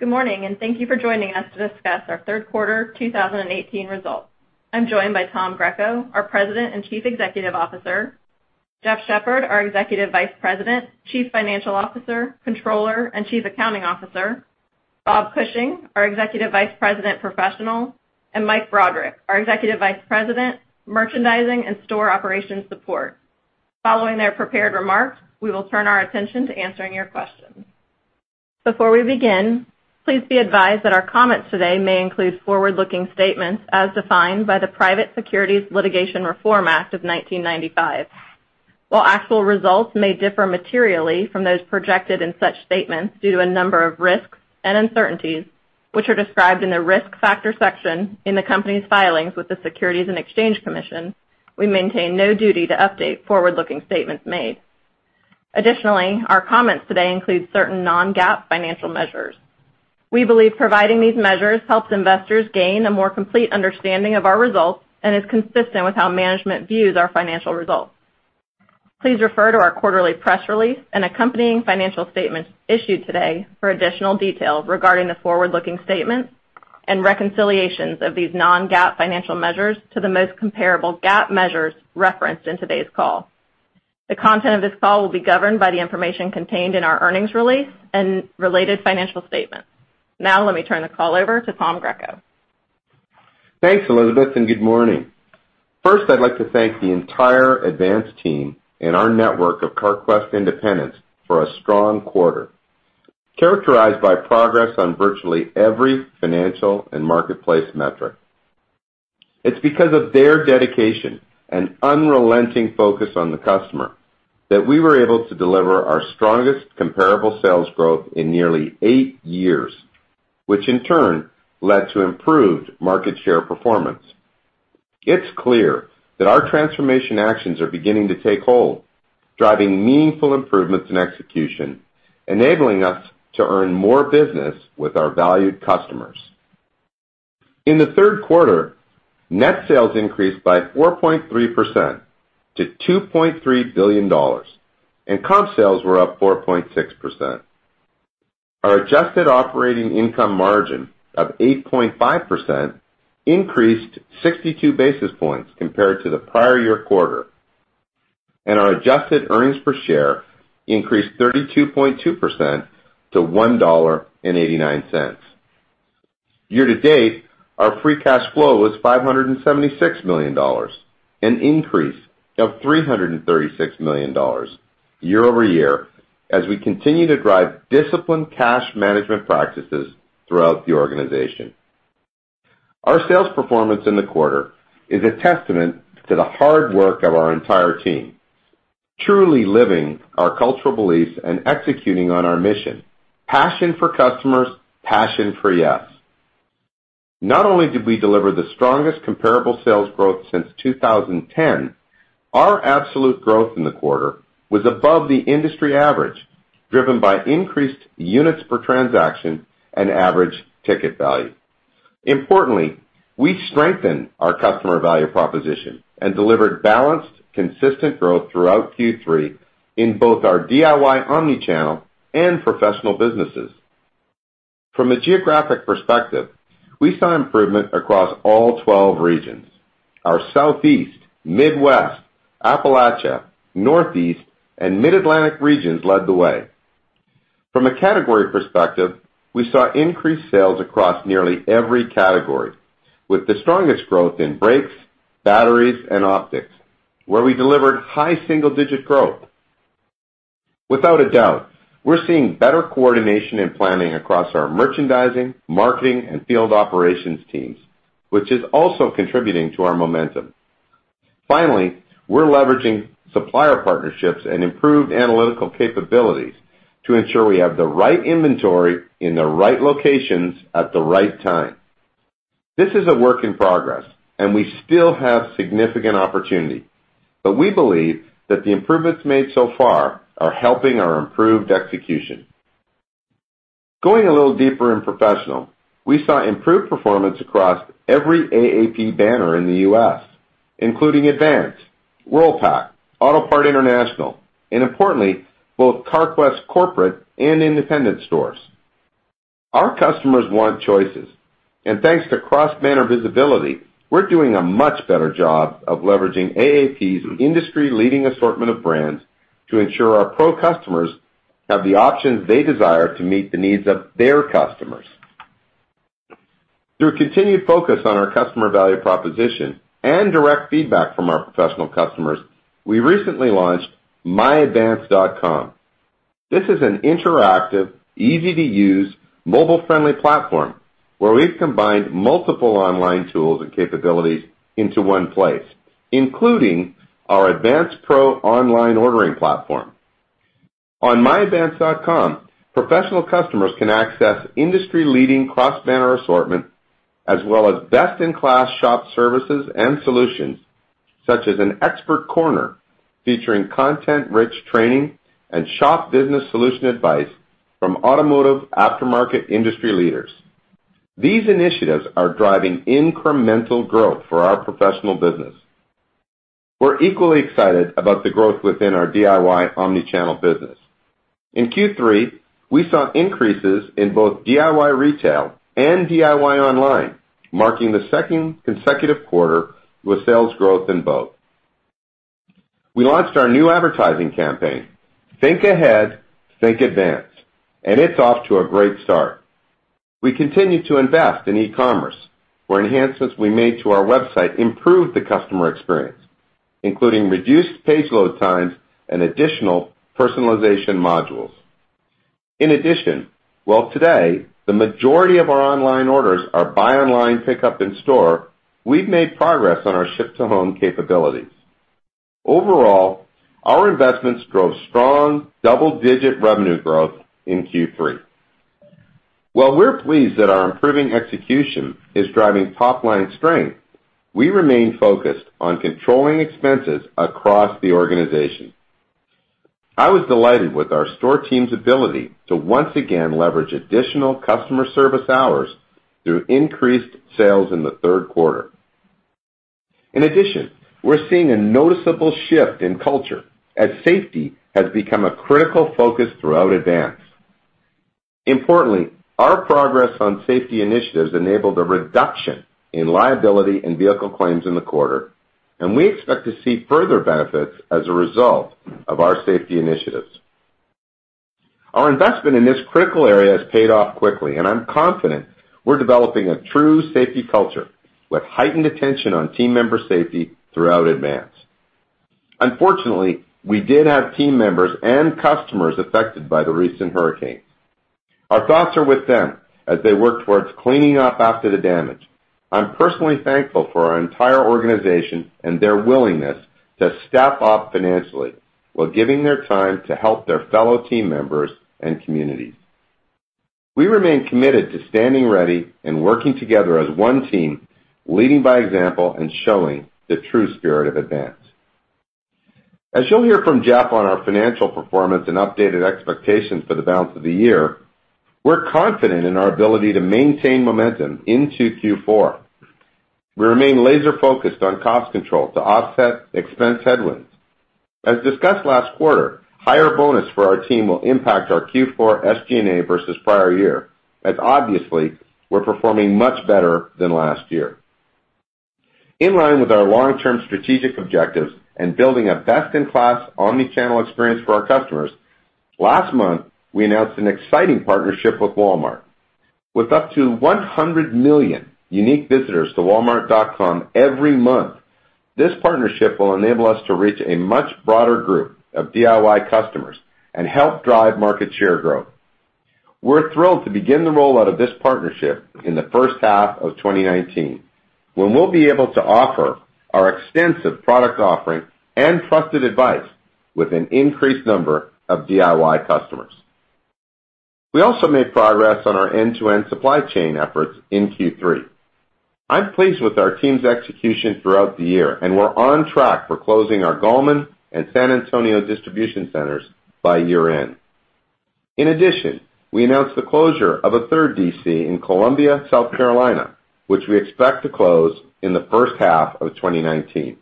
Good morning, and thank you for joining us to discuss our third quarter 2018 results. I'm joined by Tom Greco, our President and Chief Executive Officer. Jeff Shepherd, our Executive Vice President, Chief Financial Officer, Comptroller, and Chief Accounting Officer. Bob Cushing, our Executive Vice President, Professional, and Mike Broderick, our Executive Vice President, Merchandising and Store Operations Support. Following their prepared remarks, we will turn our attention to answering your questions. Before we begin, please be advised that our comments today may include forward-looking statements as defined by the Private Securities Litigation Reform Act of 1995. While actual results may differ materially from those projected in such statements due to a number of risks and uncertainties, which are described in the risk factor section in the company's filings with the Securities and Exchange Commission, we maintain no duty to update forward-looking statements made. Additionally, our comments today include certain non-GAAP financial measures. We believe providing these measures helps investors gain a more complete understanding of our results and is consistent with how management views our financial results. Please refer to our quarterly press release and accompanying financial statements issued today for additional details regarding the forward-looking statements and reconciliations of these non-GAAP financial measures to the most comparable GAAP measures referenced in today's call. The content of this call will be governed by the information contained in our earnings release and related financial statements. Now, let me turn the call over to Tom Greco. Thanks, Elisabeth, and good morning. First, I'd like to thank the entire Advance team and our network of Carquest independents for a strong quarter, characterized by progress on virtually every financial and marketplace metric. It's because of their dedication and unrelenting focus on the customer that we were able to deliver our strongest comparable sales growth in nearly eight years, which in turn led to improved market share performance. It's clear that our transformation actions are beginning to take hold, driving meaningful improvements in execution, enabling us to earn more business with our valued customers. In the third quarter, net sales increased by 4.3% to $2.3 billion, comp sales were up 4.6%. Our adjusted operating income margin of 8.5% increased 62 basis points compared to the prior year quarter. Our adjusted earnings per share increased 32.2% to $1.89. Year to date, our free cash flow was $576 million, an increase of $336 million year-over-year as we continue to drive disciplined cash management practices throughout the organization. Our sales performance in the quarter is a testament to the hard work of our entire team, truly living our cultural beliefs and executing on our mission, passion for customers, passion for yes. Not only did we deliver the strongest comparable sales growth since 2010, our absolute growth in the quarter was above the industry average, driven by increased units per transaction and average ticket value. Importantly, we strengthened our customer value proposition and delivered balanced, consistent growth throughout Q3 in both our DIY omni-channel and professional businesses. From a geographic perspective, we saw improvement across all 12 regions. Our Southeast, Midwest, Appalachia, Northeast, and Mid-Atlantic regions led the way. From a category perspective, we saw increased sales across nearly every category, with the strongest growth in brakes, batteries, and optics, where we delivered high single-digit growth. Without a doubt, we're seeing better coordination and planning across our merchandising, marketing, and field operations teams, which is also contributing to our momentum. Finally, we're leveraging supplier partnerships and improved analytical capabilities to ensure we have the right inventory in the right locations at the right time. This is a work in progress, and we still have significant opportunity, but we believe that the improvements made so far are helping our improved execution. Going a little deeper in professional, we saw improved performance across every AAP banner in the U.S., including Advance, Worldpac, Autopart International, and importantly, both Carquest corporate and independent stores. Our customers want choices. Thanks to cross-banner visibility, we're doing a much better job of leveraging AAP's industry-leading assortment of brands to ensure our pro customers have the options they desire to meet the needs of their customers. Through continued focus on our customer value proposition and direct feedback from our professional customers, we recently launched myadvance.com. This is an interactive, easy-to-use, mobile-friendly platform where we've combined multiple online tools and capabilities into one place, including our Advance Professional online ordering platform. On myadvance.com, professional customers can access industry-leading cross-banner assortment as well as best-in-class shop services and solutions such as an expert corner featuring content-rich training and shop business solution advice from automotive aftermarket industry leaders. These initiatives are driving incremental growth for our professional business. We're equally excited about the growth within our DIY omni-channel business. In Q3, we saw increases in both DIY retail and DIY online, marking the second consecutive quarter with sales growth in both. We launched our new advertising campaign, Think Ahead. Think Advance. It's off to a great start. We continue to invest in e-commerce, where enhancements we made to our website improved the customer experience, including reduced page load times and additional personalization modules. In addition, while today the majority of our online orders are buy online, pickup in store, we've made progress on our ship to home capabilities. Overall, our investments drove strong double-digit revenue growth in Q3. While we're pleased that our improving execution is driving top-line strength, we remain focused on controlling expenses across the organization. I was delighted with our store team's ability to once again leverage additional customer service hours through increased sales in the third quarter. In addition, we're seeing a noticeable shift in culture as safety has become a critical focus throughout Advance. Importantly, our progress on safety initiatives enabled a reduction in liability and vehicle claims in the quarter. We expect to see further benefits as a result of our safety initiatives. Our investment in this critical area has paid off quickly, and I'm confident we're developing a true safety culture with heightened attention on team member safety throughout Advance. Unfortunately, we did have team members and customers affected by the recent hurricanes. Our thoughts are with them as they work towards cleaning up after the damage. I'm personally thankful for our entire organization and their willingness to step up financially while giving their time to help their fellow team members and communities. We remain committed to standing ready and working together as one team, leading by example and showing the true spirit of Advance. As you'll hear from Jeff on our financial performance and updated expectations for the balance of the year, we're confident in our ability to maintain momentum into Q4. We remain laser focused on cost control to offset expense headwinds. As discussed last quarter, higher bonus for our team will impact our Q4 SG&A versus prior year as obviously we're performing much better than last year. In line with our long-term strategic objectives and building a best-in-class omni-channel experience for our customers, last month, we announced an exciting partnership with Walmart. With up to 100 million unique visitors to walmart.com every month, this partnership will enable us to reach a much broader group of DIY customers and help drive market share growth. We're thrilled to begin the rollout of this partnership in the first half of 2019, when we'll be able to offer our extensive product offering and trusted advice with an increased number of DIY customers. We also made progress on our end-to-end supply chain efforts in Q3. I'm pleased with our team's execution throughout the year, and we're on track for closing our Gallman and San Antonio distribution centers by year-end. In addition, we announced the closure of a third DC in Columbia, South Carolina, which we expect to close in the first half of 2019.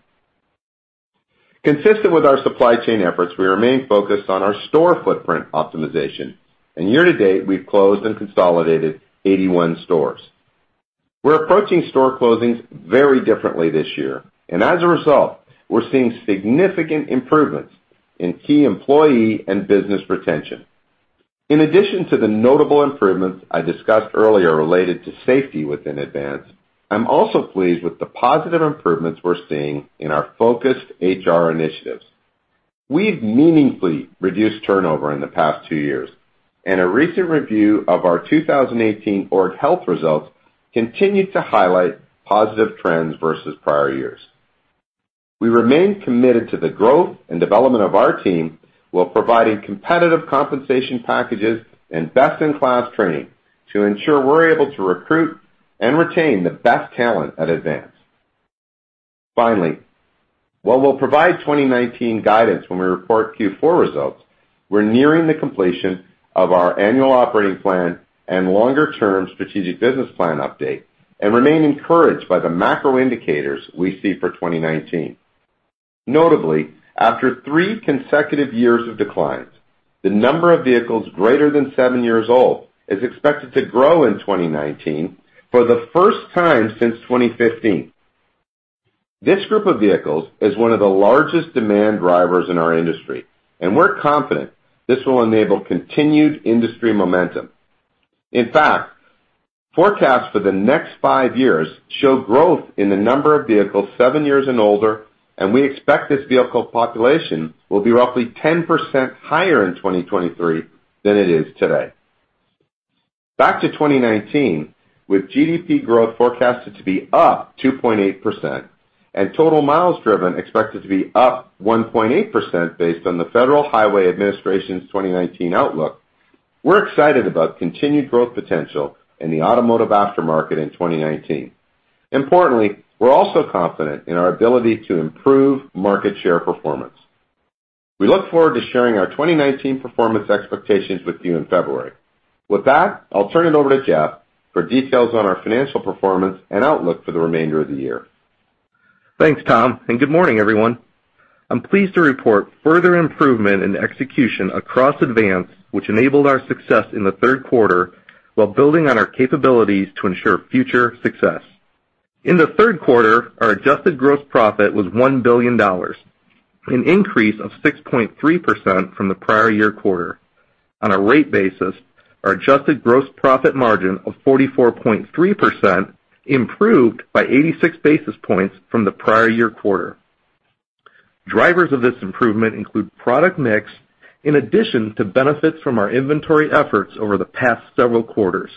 Consistent with our supply chain efforts, we remain focused on our store footprint optimization, and year to date, we've closed and consolidated 81 stores. We're approaching store closings very differently this year, and as a result, we're seeing significant improvements in key employee and business retention. In addition to the notable improvements I discussed earlier related to safety within Advance, I'm also pleased with the positive improvements we're seeing in our focused HR initiatives. We've meaningfully reduced turnover in the past two years, and a recent review of our 2018 org health results continued to highlight positive trends versus prior years. We remain committed to the growth and development of our team while providing competitive compensation packages and best-in-class training to ensure we're able to recruit and retain the best talent at Advance. Finally, while we'll provide 2019 guidance when we report Q4 results, we're nearing the completion of our annual operating plan and longer term strategic business plan update and remain encouraged by the macro indicators we see for 2019. Notably, after three consecutive years of declines, the number of vehicles greater than seven years old is expected to grow in 2019 for the first time since 2015. This group of vehicles is one of the largest demand drivers in our industry, and we're confident this will enable continued industry momentum. In fact, forecasts for the next five years show growth in the number of vehicles seven years and older, and we expect this vehicle population will be roughly 10% higher in 2023 than it is today. Back to 2019, with GDP growth forecasted to be up 2.8% and total miles driven expected to be up 1.8% based on the Federal Highway Administration's 2019 outlook, we're excited about continued growth potential in the automotive aftermarket in 2019. Importantly, we're also confident in our ability to improve market share performance. We look forward to sharing our 2019 performance expectations with you in February. With that, I'll turn it over to Jeff for details on our financial performance and outlook for the remainder of the year. Thanks, Tom, good morning, everyone. I'm pleased to report further improvement in execution across Advance, which enabled our success in the third quarter, while building on our capabilities to ensure future success. In the third quarter, our adjusted gross profit was $1 billion, an increase of 6.3% from the prior year quarter. On a rate basis, our adjusted gross profit margin of 44.3% improved by 86 basis points from the prior year quarter. Drivers of this improvement include product mix in addition to benefits from our inventory efforts over the past several quarters.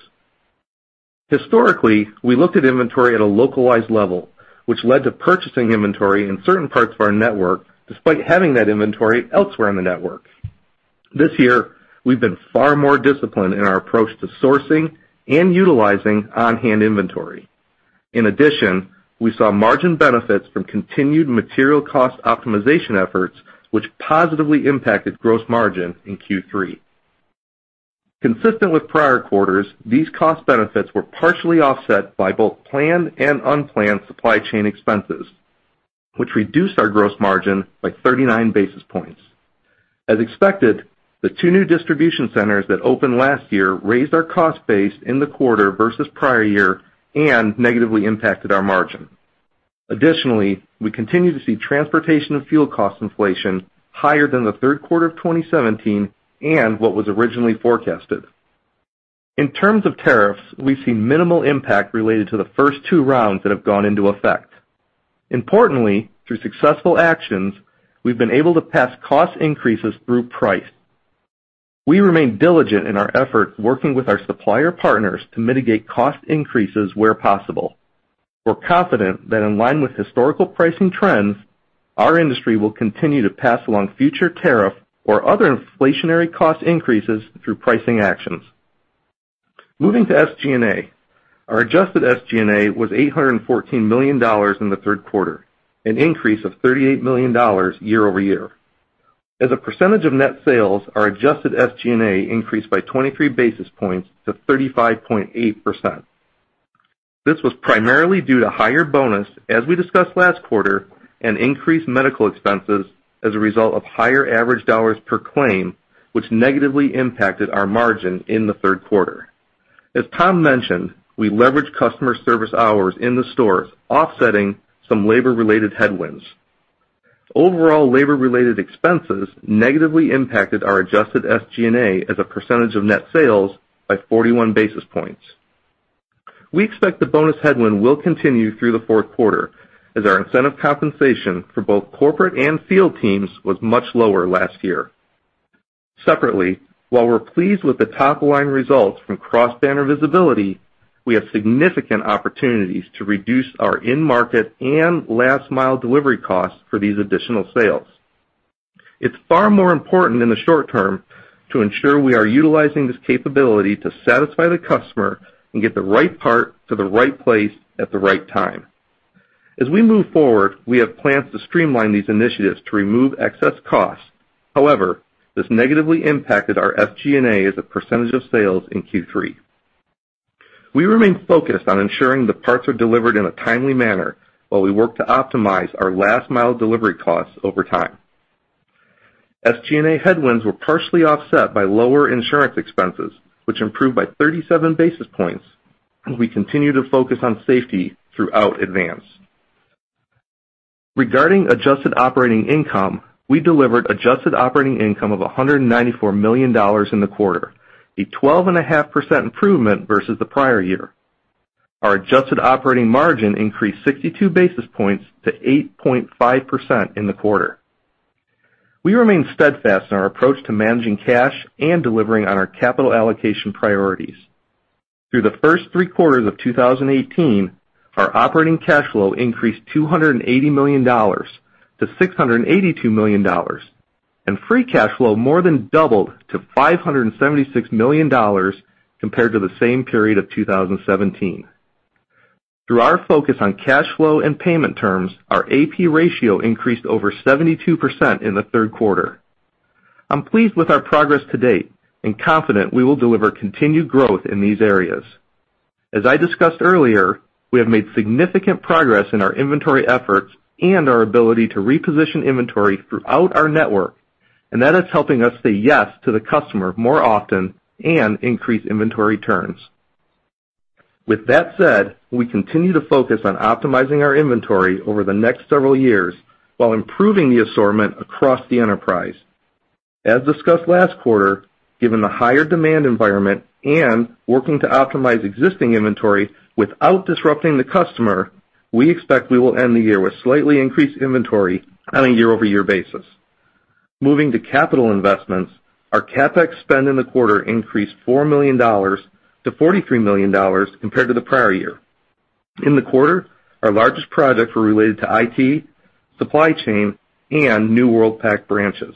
Historically, we looked at inventory at a localized level, which led to purchasing inventory in certain parts of our network, despite having that inventory elsewhere in the network. This year, we've been far more disciplined in our approach to sourcing and utilizing on-hand inventory. We saw margin benefits from continued material cost optimization efforts, which positively impacted gross margin in Q3. Consistent with prior quarters, these cost benefits were partially offset by both planned and unplanned supply chain expenses, which reduced our gross margin by 39 basis points. As expected, the two new distribution centers that opened last year raised our cost base in the quarter versus prior year and negatively impacted our margin. We continue to see transportation and fuel cost inflation higher than the third quarter of 2017 and what was originally forecasted. In terms of tariffs, we see minimal impact related to the first two rounds that have gone into effect. Through successful actions, we've been able to pass cost increases through price. We remain diligent in our effort, working with our supplier partners to mitigate cost increases where possible. We're confident that in line with historical pricing trends, our industry will continue to pass along future tariff or other inflationary cost increases through pricing actions. Moving to SG&A. Our adjusted SG&A was $814 million in the third quarter, an increase of $38 million year-over-year. As a percentage of net sales, our adjusted SG&A increased by 23 basis points to 35.8%. This was primarily due to higher bonus, as we discussed last quarter, and increased medical expenses as a result of higher average dollars per claim, which negatively impacted our margin in the third quarter. As Tom mentioned, we leveraged customer service hours in the stores, offsetting some labor-related headwinds. Overall labor-related expenses negatively impacted our adjusted SG&A as a percentage of net sales by 41 basis points. We expect the bonus headwind will continue through the fourth quarter as our incentive compensation for both corporate and field teams was much lower last year. Separately, while we're pleased with the top-line results from cross-banner visibility, we have significant opportunities to reduce our in-market and last-mile delivery costs for these additional sales. It's far more important in the short term to ensure we are utilizing this capability to satisfy the customer and get the right part to the right place at the right time. As we move forward, we have plans to streamline these initiatives to remove excess costs. However, this negatively impacted our SG&A as a percentage of sales in Q3. We remain focused on ensuring the parts are delivered in a timely manner while we work to optimize our last mile delivery costs over time. SG&A headwinds were partially offset by lower insurance expenses, which improved by 37 basis points as we continue to focus on safety throughout Advance. Regarding adjusted operating income, we delivered adjusted operating income of $194 million in the quarter, a 12.5% improvement versus the prior year. Our adjusted operating margin increased 62 basis points to 8.5% in the quarter. We remain steadfast in our approach to managing cash and delivering on our capital allocation priorities. Through the first three quarters of 2018, our operating cash flow increased $280 million to $682 million, and free cash flow more than doubled to $576 million compared to the same period of 2017. Through our focus on cash flow and payment terms, our AP ratio increased over 72% in the third quarter. I'm pleased with our progress to date and confident we will deliver continued growth in these areas. As I discussed earlier, we have made significant progress in our inventory efforts and our ability to reposition inventory throughout our network, that is helping us say yes to the customer more often and increase inventory turns. With that said, we continue to focus on optimizing our inventory over the next several years while improving the assortment across the enterprise. As discussed last quarter, given the higher demand environment and working to optimize existing inventory without disrupting the customer, we expect we will end the year with slightly increased inventory on a year-over-year basis. Moving to capital investments, our CapEx spend in the quarter increased $4 million to $43 million compared to the prior year. In the quarter, our largest projects were related to IT, supply chain, and new Worldpac branches.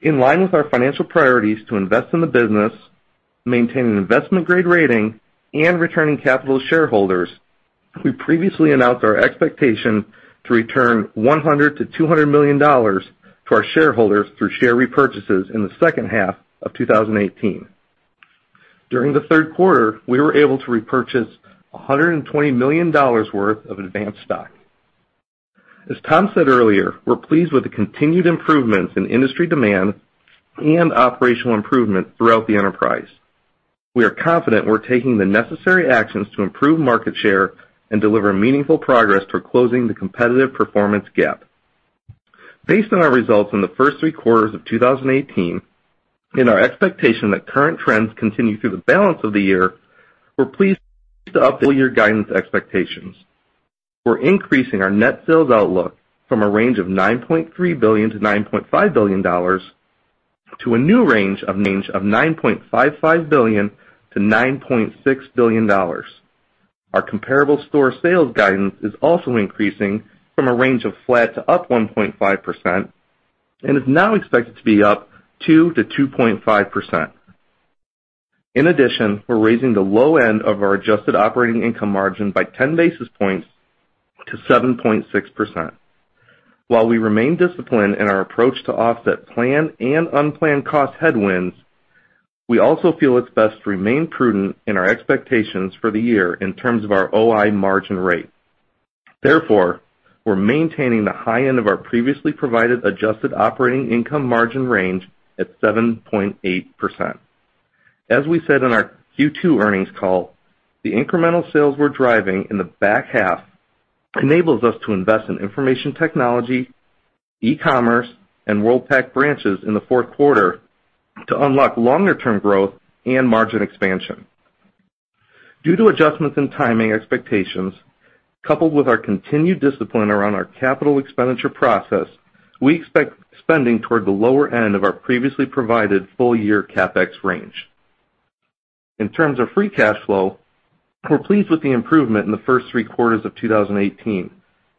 In line with our financial priorities to invest in the business, maintain an investment-grade rating, and returning capital to shareholders, we previously announced our expectation to return $100 million-$200 million to our shareholders through share repurchases in the second half of 2018. During the third quarter, we were able to repurchase $120 million worth of Advance stock. As Tom said earlier, we're pleased with the continued improvements in industry demand and operational improvement throughout the enterprise. We are confident we're taking the necessary actions to improve market share and deliver meaningful progress for closing the competitive performance gap. Based on our results in the first three quarters of 2018 and our expectation that current trends continue through the balance of the year, we're pleased to up full-year guidance expectations. We're increasing our net sales outlook from a range of $9.3 billion-$9.5 billion to a new range of $9.55 billion-$9.6 billion. Our comparable store sales guidance is also increasing from a range of flat to up 1.5% and is now expected to be up 2%-2.5%. In addition, we're raising the low end of our adjusted operating income margin by 10 basis points to 7.6%. While we remain disciplined in our approach to offset planned and unplanned cost headwinds, we also feel it's best to remain prudent in our expectations for the year in terms of our OI margin rate. Therefore, we're maintaining the high end of our previously provided adjusted operating income margin range at 7.8%. As we said on our Q2 earnings call, the incremental sales we're driving in the back half enables us to invest in information technology, e-commerce, and Worldpac branches in the fourth quarter to unlock longer-term growth and margin expansion. Due to adjustments in timing expectations, coupled with our continued discipline around our capital expenditure process, we expect spending toward the lower end of our previously provided full-year CapEx range. In terms of free cash flow, we're pleased with the improvement in the first three quarters of 2018.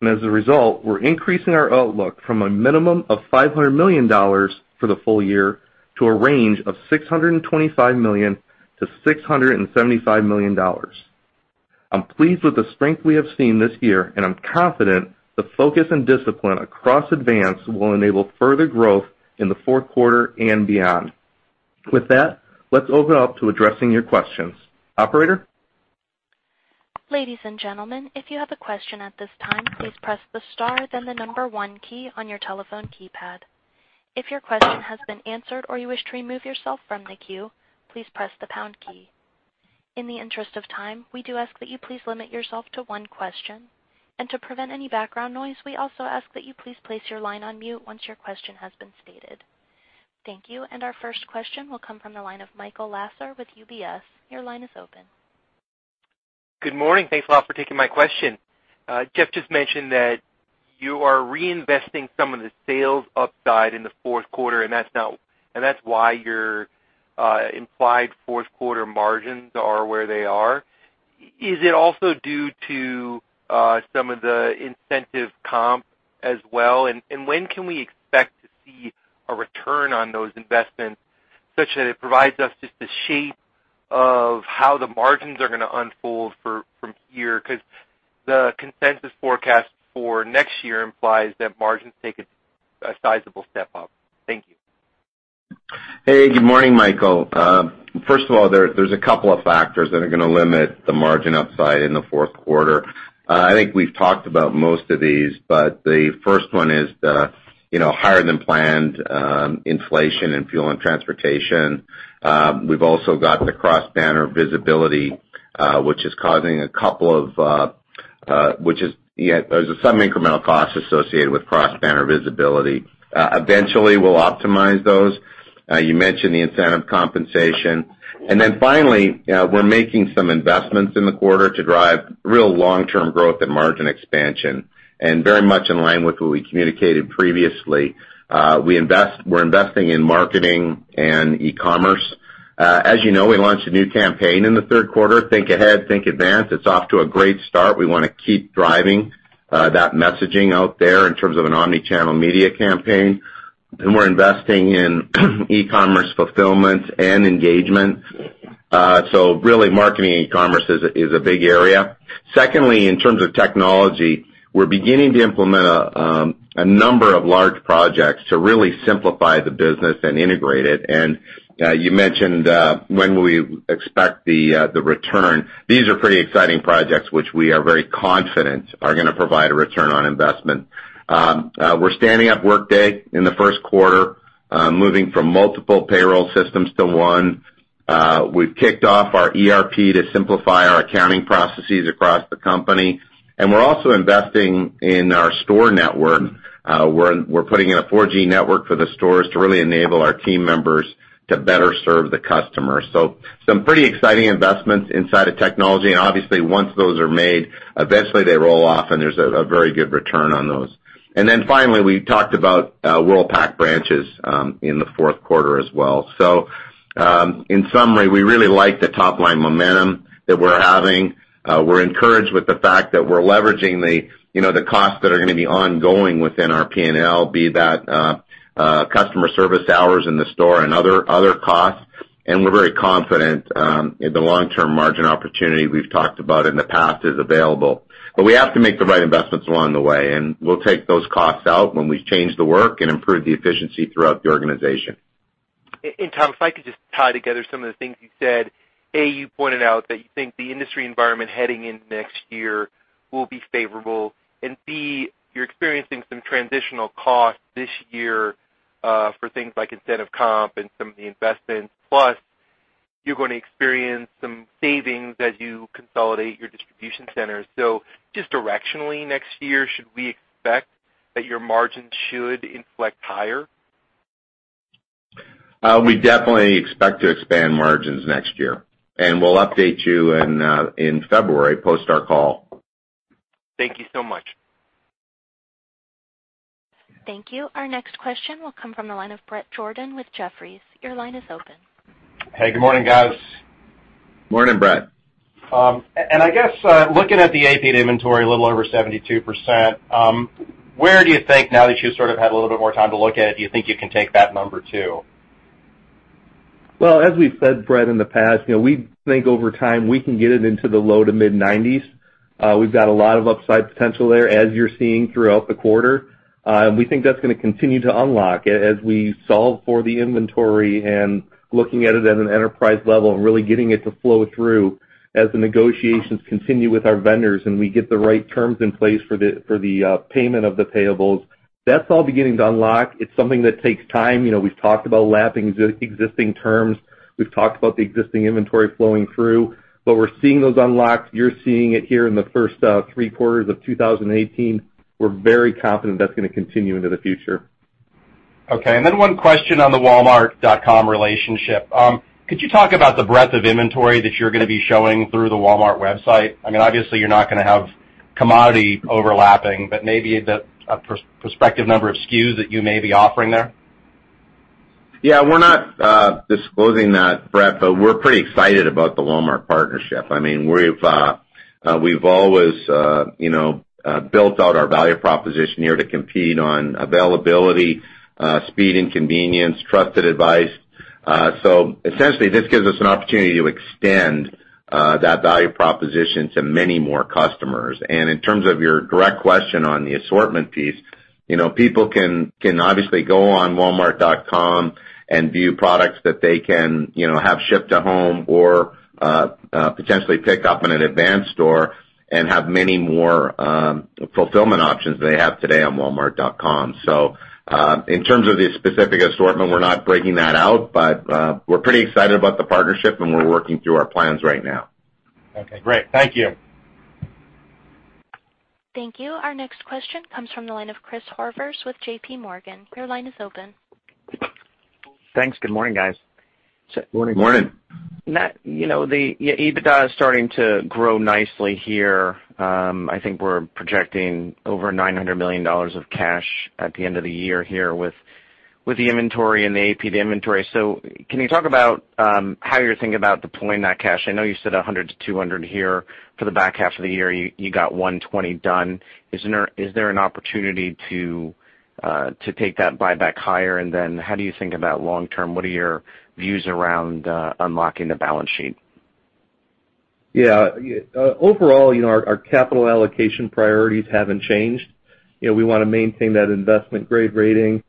As a result, we're increasing our outlook from a minimum of $500 million for the full year to a range of $625 million-$675 million. I'm pleased with the strength we have seen this year, and I'm confident the focus and discipline across Advance will enable further growth in the fourth quarter and beyond. With that, let's open up to addressing your questions. Operator? Ladies and gentlemen, if you have a question at this time, please press the star, then the number one key on your telephone keypad. If your question has been answered or you wish to remove yourself from the queue, please press the pound key. In the interest of time, we do ask that you please limit yourself to one question. To prevent any background noise, we also ask that you please place your line on mute once your question has been stated. Thank you. Our first question will come from the line of Michael Lasser with UBS. Your line is open. Good morning. Thanks a lot for taking my question. Jeff just mentioned that you are reinvesting some of the sales upside in the fourth quarter, and that's why your implied fourth quarter margins are where they are. Is it also due to some of the incentive comp as well? When can we expect to see a return on those investments, such that it provides us just a shape of how the margins are going to unfold from here? The consensus forecast for next year implies that margins take a sizable step up. Thank you. Hey, good morning, Michael. First of all, there's a couple of factors that are going to limit the margin upside in the fourth quarter. I think we've talked about most of these, but the first one is the higher-than-planned inflation in fuel and transportation. We've also got the cross-banner visibility, there's some incremental costs associated with cross-banner visibility. Eventually, we'll optimize those. You mentioned the incentive compensation. Then finally, we're making some investments in the quarter to drive real long-term growth and margin expansion. Very much in line with what we communicated previously, we're investing in marketing and e-commerce. As you know, we launched a new campaign in the third quarter, "Think Ahead. Think Advance." It's off to a great start. We want to keep driving that messaging out there in terms of an omni-channel media campaign. We're investing in e-commerce fulfillment and engagement. Really, marketing and e-commerce is a big area. Secondly, in terms of technology, we're beginning to implement a number of large projects to really simplify the business and integrate it. You mentioned when we expect the return. These are pretty exciting projects, which we are very confident are going to provide a return on investment. We're standing up Workday in the first quarter, moving from multiple payroll systems to one. We've kicked off our ERP to simplify our accounting processes across the company. We're also investing in our store network. We're putting in a 4G network for the stores to really enable our team members to better serve the customer. Some pretty exciting investments inside of technology. Obviously, once those are made, eventually they roll off and there's a very good return on those. Then finally, we talked about Worldpac branches in the fourth quarter as well. In summary, we really like the top-line momentum that we're having. We're encouraged with the fact that we're leveraging the costs that are going to be ongoing within our P&L, be that customer service hours in the store and other costs. We're very confident in the long-term margin opportunity we've talked about in the past is available. We have to make the right investments along the way, and we'll take those costs out when we change the work and improve the efficiency throughout the organization. Tom, if I could just tie together some of the things you said. A, you pointed out that you think the industry environment heading into next year will be favorable. B, you're experiencing some transitional costs this year for things like incentive comp and some of the investments. Plus, you're going to experience some savings as you consolidate your distribution centers. Just directionally next year, should we expect that your margin should inflect higher? We definitely expect to expand margins next year, and we'll update you in February post our call. Thank you so much. Thank you. Our next question will come from the line of Bret Jordan with Jefferies. Your line is open. Hey, good morning, guys. Morning, Bret. I guess looking at the AP inventory a little over 72%, where do you think now that you've sort of had a little bit more time to look at it, do you think you can take that number too? Well, as we've said, Bret, in the past, we think over time we can get it into the low to mid-90s. We've got a lot of upside potential there, as you're seeing throughout the quarter. We think that's going to continue to unlock as we solve for the inventory and looking at it at an enterprise level and really getting it to flow through as the negotiations continue with our vendors and we get the right terms in place for the payment of the payables. That's all beginning to unlock. It's something that takes time. We've talked about lapping existing terms. We've talked about the existing inventory flowing through, but we're seeing those unlocks. You're seeing it here in the first three quarters of 2018. We're very confident that's going to continue into the future. Okay, one question on the walmart.com relationship. Could you talk about the breadth of inventory that you're going to be showing through the Walmart website? Obviously, you're not going to have commodity overlapping, but maybe the prospective number of SKUs that you may be offering there? Yeah, we're not disclosing that, Bret, but we're pretty excited about the Walmart partnership. We've always built out our value proposition here to compete on availability, speed and convenience, trusted advice. Essentially, this gives us an opportunity to extend that value proposition to many more customers. In terms of your direct question on the assortment piece, people can obviously go on walmart.com and view products that they can have shipped to home or potentially pick up in an Advance store and have many more fulfillment options than they have today on walmart.com. In terms of the specific assortment, we're not breaking that out, but we're pretty excited about the partnership and we're working through our plans right now. Okay, great. Thank you. Thank you. Our next question comes from the line of Chris Horvers with JPMorgan. Your line is open. Thanks. Good morning, guys. Morning. Matt, the EBITDA is starting to grow nicely here. I think we're projecting over $900 million of cash at the end of the year here with the inventory and the AP, the inventory. Can you talk about how you're thinking about deploying that cash? I know you said $100 million-$200 million here for the back half of the year. You got $120 million done. Is there an opportunity to take that buyback higher? And then how do you think about long-term? What are your views around unlocking the balance sheet? Yeah. Overall, our capital allocation priorities haven't changed. We want to maintain that investment-grade rating,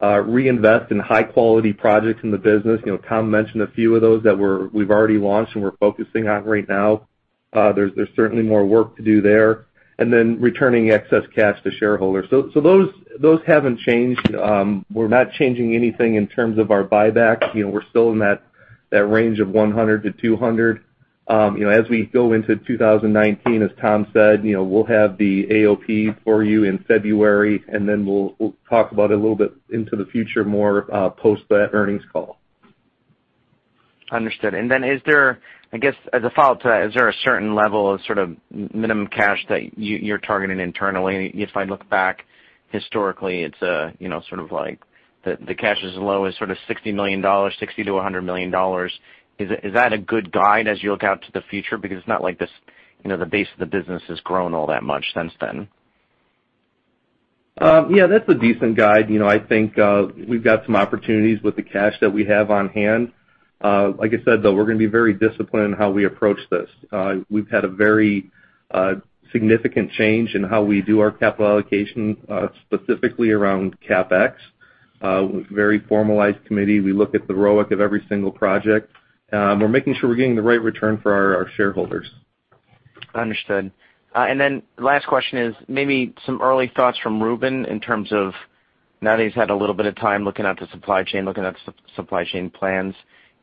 reinvest in high-quality projects in the business. Tom mentioned a few of those that we've already launched and we're focusing on right now. There's certainly more work to do there. Returning excess cash to shareholders. Those haven't changed. We're not changing anything in terms of our buyback. We're still in that range of $100 million-$200 million. As we go into 2019, as Tom said, we'll have the AOP for you in February, we'll talk about it a little bit into the future more post that earnings call. Understood. I guess, as a follow-up to that, is there a certain level of sort of minimum cash that you're targeting internally? If I look back historically, it's sort of like the cash is low as sort of $60 million, $60 million-$100 million. Is that a good guide as you look out to the future? Because it's not like the base of the business has grown all that much since then. Yeah, that's a decent guide. I think we've got some opportunities with the cash that we have on hand. Like I said, though, we're going to be very disciplined in how we approach this. We've had a very significant change in how we do our capital allocation, specifically around CapEx. Very formalized committee. We look at the ROIC of every single project. We're making sure we're getting the right return for our shareholders. Understood. Last question is maybe some early thoughts from Reuben in terms of now that he's had a little bit of time looking at the supply chain, looking at supply chain plans,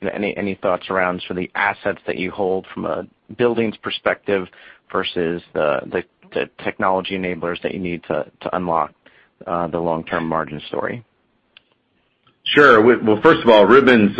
any thoughts around sort of the assets that you hold from a buildings perspective versus the technology enablers that you need to unlock the long-term margin story? Sure. Well, first of all, Reuben's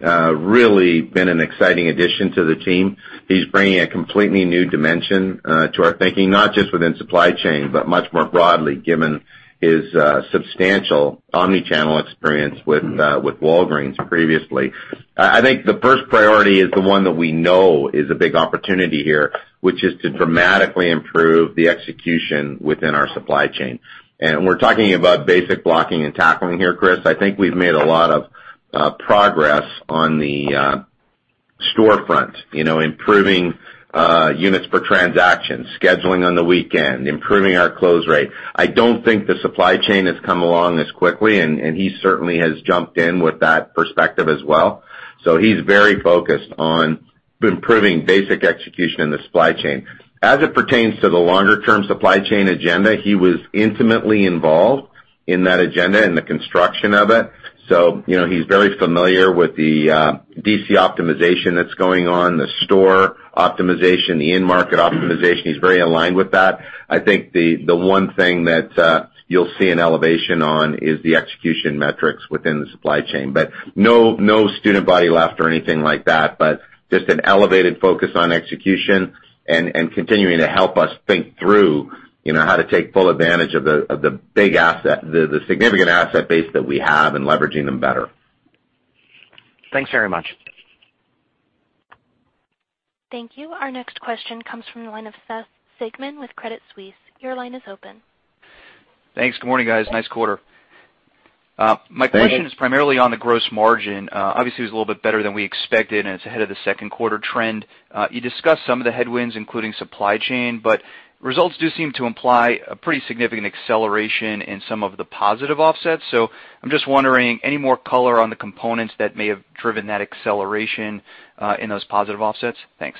really been an exciting addition to the team. He's bringing a completely new dimension to our thinking, not just within supply chain, but much more broadly, given his substantial omni-channel experience with Walgreens previously. I think the first priority is the one that we know is a big opportunity here, which is to dramatically improve the execution within our supply chain. We're talking about basic blocking and tackling here, Chris. I think we've made a lot of progress on the storefront, improving units per transaction, scheduling on the weekend, improving our close rate. I don't think the supply chain has come along as quickly, and he certainly has jumped in with that perspective as well. He's very focused on improving basic execution in the supply chain. As it pertains to the longer-term supply chain agenda, he was intimately involved in that agenda and the construction of it. He's very familiar with the DC optimization that's going on, the store optimization, the in-market optimization. He's very aligned with that. I think the one thing that you'll see an elevation on is the execution metrics within the supply chain, but no student body left or anything like that, but just an elevated focus on execution and continuing to help us think through how to take full advantage of the big asset, the significant asset base that we have, and leveraging them better. Thanks very much. Thank you. Our next question comes from the line of Seth Sigman with Credit Suisse. Your line is open. Thanks. Good morning, guys. Nice quarter. Thank you. My question is primarily on the gross margin. Obviously, it was a little bit better than we expected, and it's ahead of the second quarter trend. You discussed some of the headwinds, including supply chain, but results do seem to imply a pretty significant acceleration in some of the positive offsets. I'm just wondering, any more color on the components that may have driven that acceleration in those positive offsets? Thanks.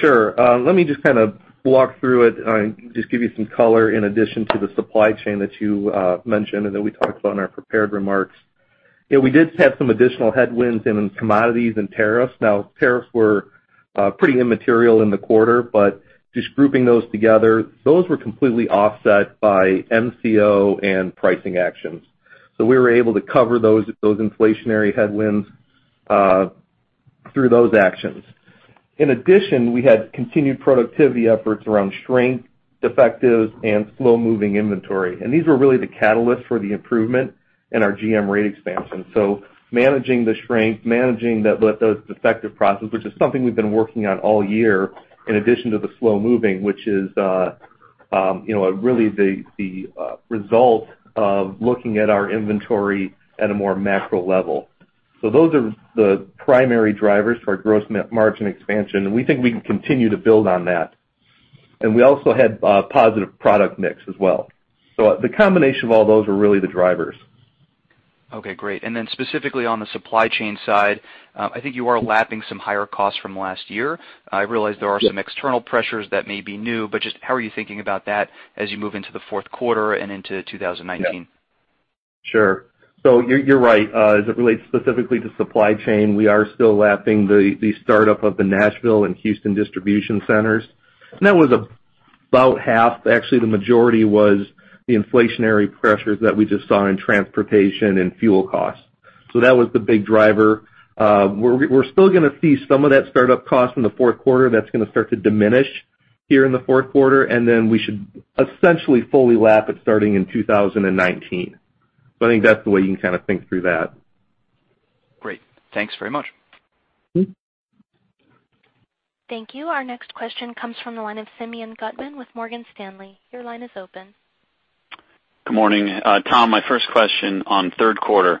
Sure. Let me just kind of walk through it and just give you some color in addition to the supply chain that you mentioned and that we talked about in our prepared remarks. We did have some additional headwinds in commodities and tariffs. Now, tariffs were pretty immaterial in the quarter, but just grouping those together, those were completely offset by MCO and pricing actions. We were able to cover those inflationary headwinds through those actions. In addition, we had continued productivity efforts around shrink, defectives, and slow-moving inventory. These were really the catalyst for the improvement in our GM rate expansion. Managing the shrink, managing those defective process, which is something we've been working on all year, in addition to the slow-moving, which is really the result of looking at our inventory at a more macro level. Those are the primary drivers for our gross margin expansion, and we think we can continue to build on that. We also had positive product mix as well. The combination of all those were really the drivers. Okay, great. Then specifically on the supply chain side, I think you are lapping some higher costs from last year. I realize there are some external pressures that may be new, but just how are you thinking about that as you move into the fourth quarter and into 2019? Sure. You're right. As it relates specifically to supply chain, we are still lapping the startup of the Nashville and Houston distribution centers. That was about half, actually, the majority was the inflationary pressures that we just saw in transportation and fuel costs. That was the big driver. We're still going to see some of that startup cost in the fourth quarter. That's going to start to diminish here in the fourth quarter, and then we should essentially fully lap it starting in 2019. I think that's the way you can kind of think through that. Great. Thanks very much. Thank you. Our next question comes from the line of Simeon Gutman with Morgan Stanley. Your line is open. Good morning. Tom, my first question on third quarter,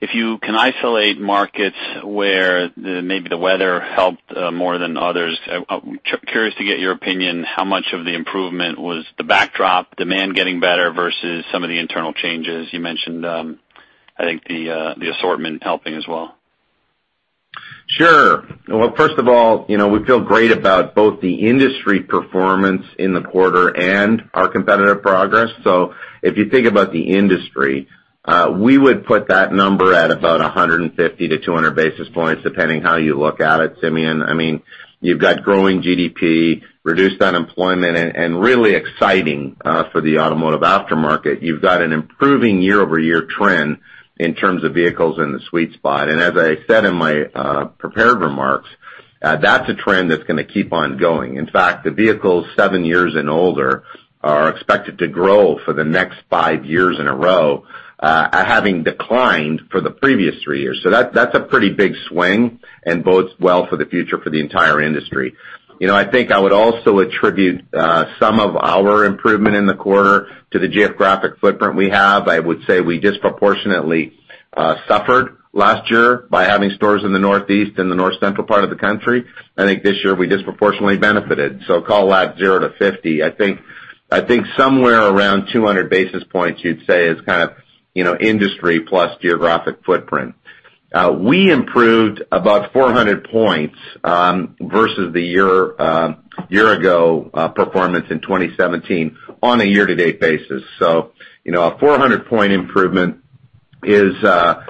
if you can isolate markets where maybe the weather helped more than others, I'm curious to get your opinion, how much of the improvement was the backdrop, demand getting better versus some of the internal changes? You mentioned, I think, the assortment helping as well. Sure. Well, first of all, we feel great about both the industry performance in the quarter and our competitive progress. If you think about the industry, we would put that number at about 150-200 basis points, depending how you look at it, Simeon. You've got growing GDP, reduced unemployment, and really exciting for the automotive aftermarket. You've got an improving year-over-year trend in terms of vehicles in the sweet spot. As I said in my prepared remarks, that's a trend that's going to keep on going. In fact, the vehicles seven years and older are expected to grow for the next five years in a row, having declined for the previous three years. That's a pretty big swing and bodes well for the future for the entire industry. I think I would also attribute some of our improvement in the quarter to the geographic footprint we have. I would say we disproportionately suffered last year by having stores in the Northeast and the North Central part of the country. I think this year we disproportionately benefited. Call that 0-50. I think somewhere around 200 basis points, you'd say, is kind of industry plus geographic footprint. We improved about 400 points versus the year ago performance in 2017 on a year-to-date basis. A 400-point improvement compared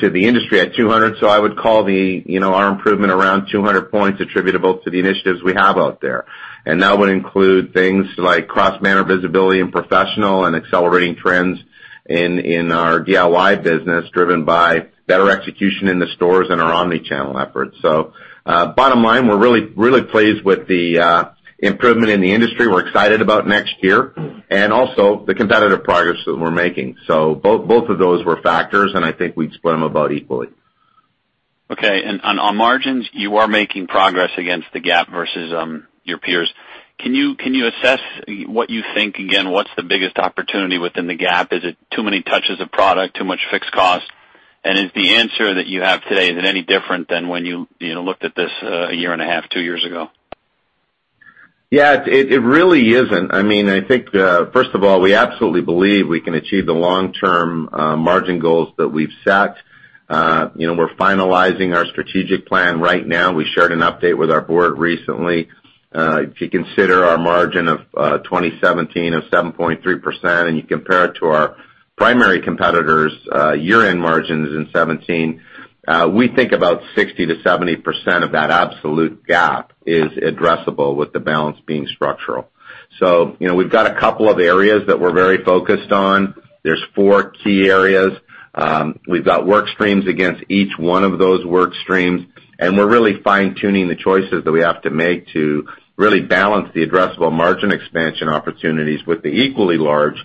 to the industry at 200. I would call our improvement around 200 points attributable to the initiatives we have out there. That would include things like cross-banner visibility in professional and accelerating trends in our DIY business, driven by better execution in the stores and our omni-channel efforts. Bottom line, we're really pleased with the improvement in the industry. We're excited about next year and also the competitive progress that we're making. Both of those were factors, and I think we'd split them about equally. Okay. On margins, you are making progress against the gap versus your peers. Can you assess what you think, again, what's the biggest opportunity within the gap? Is it too many touches of product, too much fixed cost? Is the answer that you have today, is it any different than when you looked at this a year and a half, two years ago? Yeah. It really isn't. I think, first of all, we absolutely believe we can achieve the long-term margin goals that we've set. We're finalizing our strategic plan right now. We shared an update with our board recently. If you consider our margin of 2017 of 7.3%, and you compare it to our primary competitors' year-end margins in 2017, we think about 60%-70% of that absolute gap is addressable, with the balance being structural. We've got a couple of areas that we're very focused on. There's four key areas. We've got work streams against each one of those work streams, and we're really fine-tuning the choices that we have to make to really balance the addressable margin expansion opportunities with the equally large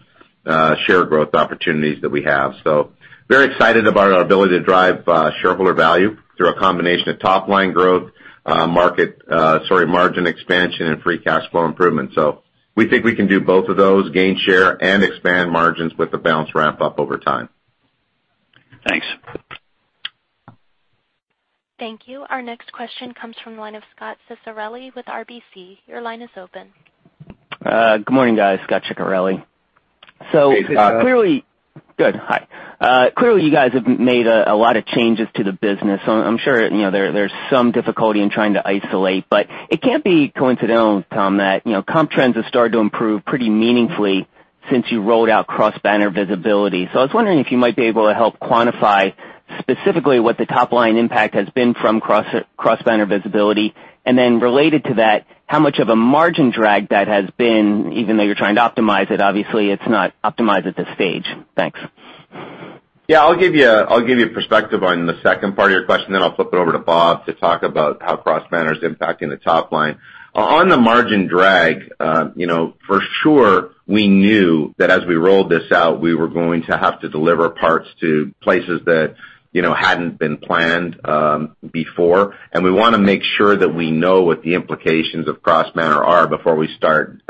share growth opportunities that we have. Very excited about our ability to drive shareholder value through a combination of top-line growth, margin expansion, and free cash flow improvement. We think we can do both of those, gain share, and expand margins with the balance ramp up over time. Thanks. Thank you. Our next question comes from the line of Scot Ciccarelli with RBC. Your line is open. Good morning, guys. Scot Ciccarelli. Hey, Scot. Good. Hi. Clearly, you guys have made a lot of changes to the business. I'm sure there's some difficulty in trying to isolate, but it can't be coincidental, Tom, that comp trends have started to improve pretty meaningfully since you rolled out cross-banner visibility. I was wondering if you might be able to help quantify specifically what the top-line impact has been from cross-banner visibility, and then related to that, how much of a margin drag that has been, even though you're trying to optimize it, obviously, it's not optimized at this stage. Thanks. Yeah. I'll give you perspective on the second part of your question, then I'll flip it over to Bob to talk about how cross-banner's impacting the top line. On the margin drag, for sure, we knew that as we rolled this out, we were going to have to deliver parts to places that hadn't been planned before. We want to make sure that we know what the implications of cross-banner are before we start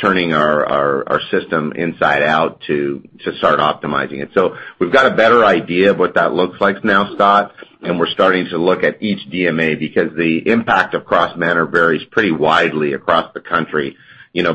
turning our system inside out to start optimizing it. We've got a better idea of what that looks like now, Scot, and we're starting to look at each DMA because the impact of cross-banner varies pretty widely across the country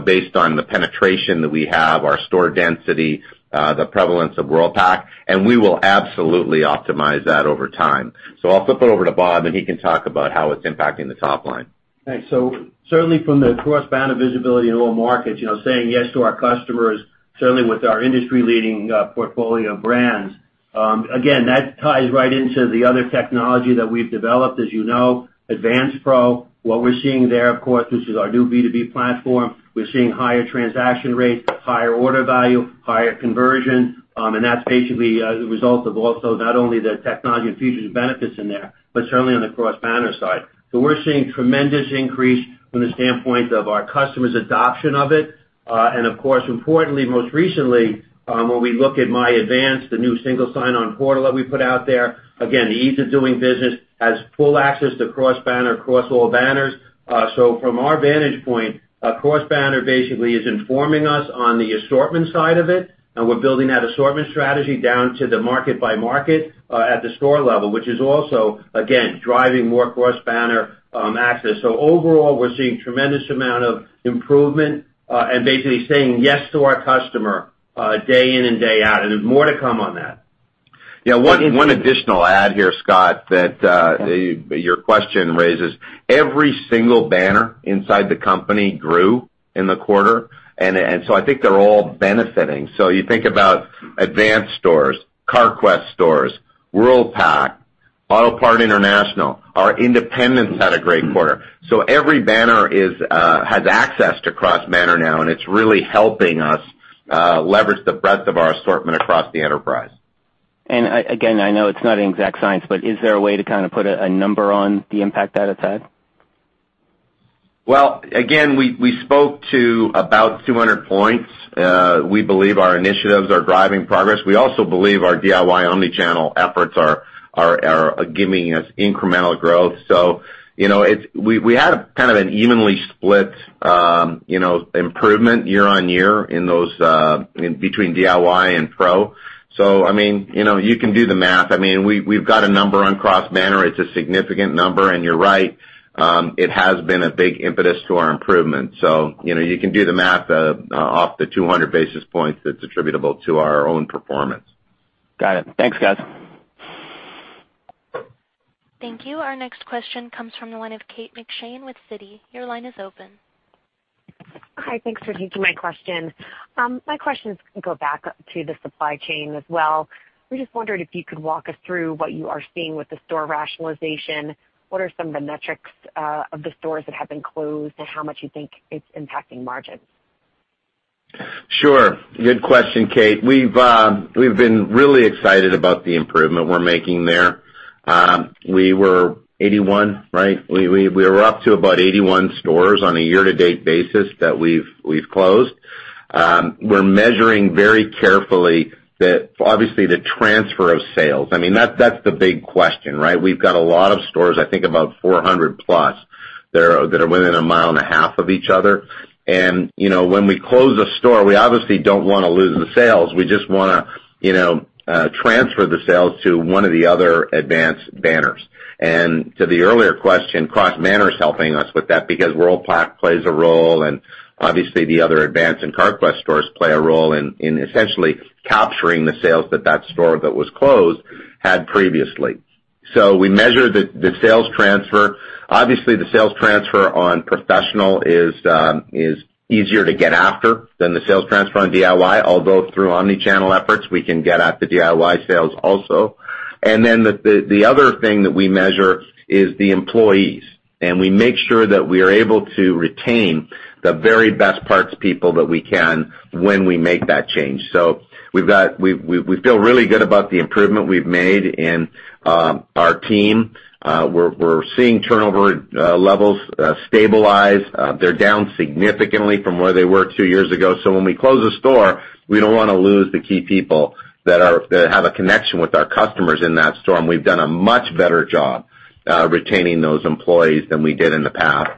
based on the penetration that we have, our store density, the prevalence of Worldpac, and we will absolutely optimize that over time. I'll flip it over to Bob, and he can talk about how it's impacting the top line. Thanks. Certainly from the cross-banner visibility in all markets, saying yes to our customers, certainly with our industry-leading portfolio of brands. Again, that ties right into the other technology that we've developed, as you know, Advance Professional. What we're seeing there, of course, this is our new B2B platform. We're seeing higher transaction rates, higher order value, higher conversion, that's basically the result of also not only the technology and features and benefits in there, but certainly on the cross-banner side. We're seeing tremendous increase from the standpoint of our customers' adoption of it. Of course, importantly, most recently, when we look at myAdvance, the new single sign-on portal that we put out there, again, the ease of doing business has full access to cross-banner across all banners. From our vantage point, cross-banner basically is informing us on the assortment side of it, we're building that assortment strategy down to the market-by-market at the store level, which is also, again, driving more cross-banner access. Overall, we're seeing tremendous amount of improvement basically saying yes to our customer day in and day out. There's more to come on that. Yeah. One additional add here, Scot, that your question raises. Every single banner inside the company grew in the quarter, I think they're all benefiting. You think about Advance stores, Carquest stores, Worldpac, Autopart International. Our independents had a great quarter. Every banner has access to cross-banner now, it's really helping us leverage the breadth of our assortment across the enterprise. Again, I know it's not an exact science, is there a way to kind of put a number on the impact that it's had? Again, we spoke to about 200 points. We believe our initiatives are driving progress. We also believe our DIY omni-channel efforts are giving us incremental growth. We had kind of an evenly split improvement year-on-year between DIY and pro. You can do the math. We've got a number on cross-banner. It's a significant number, and you're right, it has been a big impetus to our improvement. You can do the math off the 200 basis points that's attributable to our own performance. Got it. Thanks, guys. Thank you. Our next question comes from the line of Kate McShane with Citi. Your line is open. Hi. Thanks for taking my question. My question is going to go back to the supply chain as well. We just wondered if you could walk us through what you are seeing with the store rationalization. What are some of the metrics of the stores that have been closed and how much you think it's impacting margins? Sure. Good question, Kate. We've been really excited about the improvement we're making there. We were 81, right? We were up to about 81 stores on a year-to-date basis that we've closed. We're measuring very carefully, obviously the transfer of sales. That's the big question, right? We've got a lot of stores, I think about 400 plus, that are within a mile and a half of each other. When we close a store, we obviously don't want to lose the sales. We just want to transfer the sales to one of the other Advance banners. To the earlier question, cross-banner is helping us with that because Worldpac plays a role, and obviously the other Advance and Carquest stores play a role in essentially capturing the sales that store that was closed had previously. We measure the sales transfer. Obviously, the sales transfer on professional is easier to get after than the sales transfer on DIY, although through omni-channel efforts, we can get at the DIY sales also. The other thing that we measure is the employees. We make sure that we are able to retain the very best parts people that we can when we make that change. We feel really good about the improvement we've made in our team. We're seeing turnover levels stabilize. They're down significantly from where they were two years ago. When we close a store, we don't want to lose the key people that have a connection with our customers in that store, and we've done a much better job retaining those employees than we did in the past.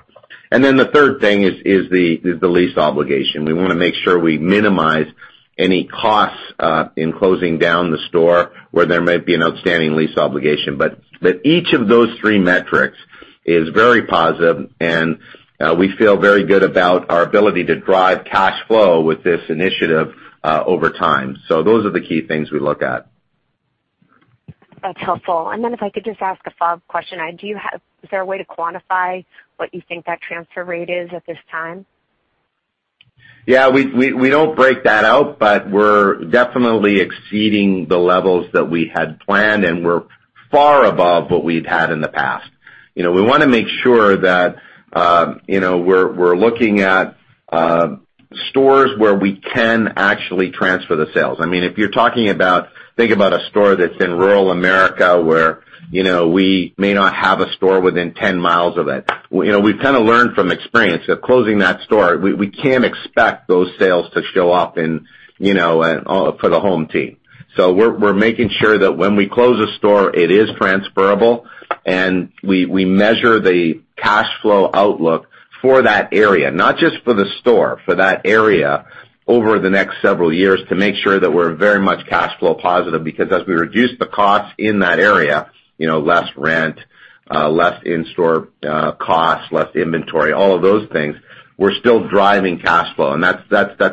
The third thing is the lease obligation. We want to make sure we minimize any costs in closing down the store where there might be an outstanding lease obligation. Each of those three metrics is very positive, and we feel very good about our ability to drive cash flow with this initiative over time. Those are the key things we look at. That's helpful. If I could just ask a follow-up question. Is there a way to quantify what you think that transfer rate is at this time? Yeah, we don't break that out. We're definitely exceeding the levels that we had planned. We're far above what we've had in the past. We want to make sure that we're looking at stores where we can actually transfer the sales. If you're talking about, think about a store that's in rural America where we may not have a store within 10 miles of it. We've kind of learned from experience that closing that store, we can't expect those sales to show up for the home team. We're making sure that when we close a store, it is transferable. We measure the cash flow outlook for that area, not just for the store, for that area over the next several years to make sure that we're very much cash flow positive, because as we reduce the costs in that area, less rent, less in-store costs, less inventory, all of those things, we're still driving cash flow. That's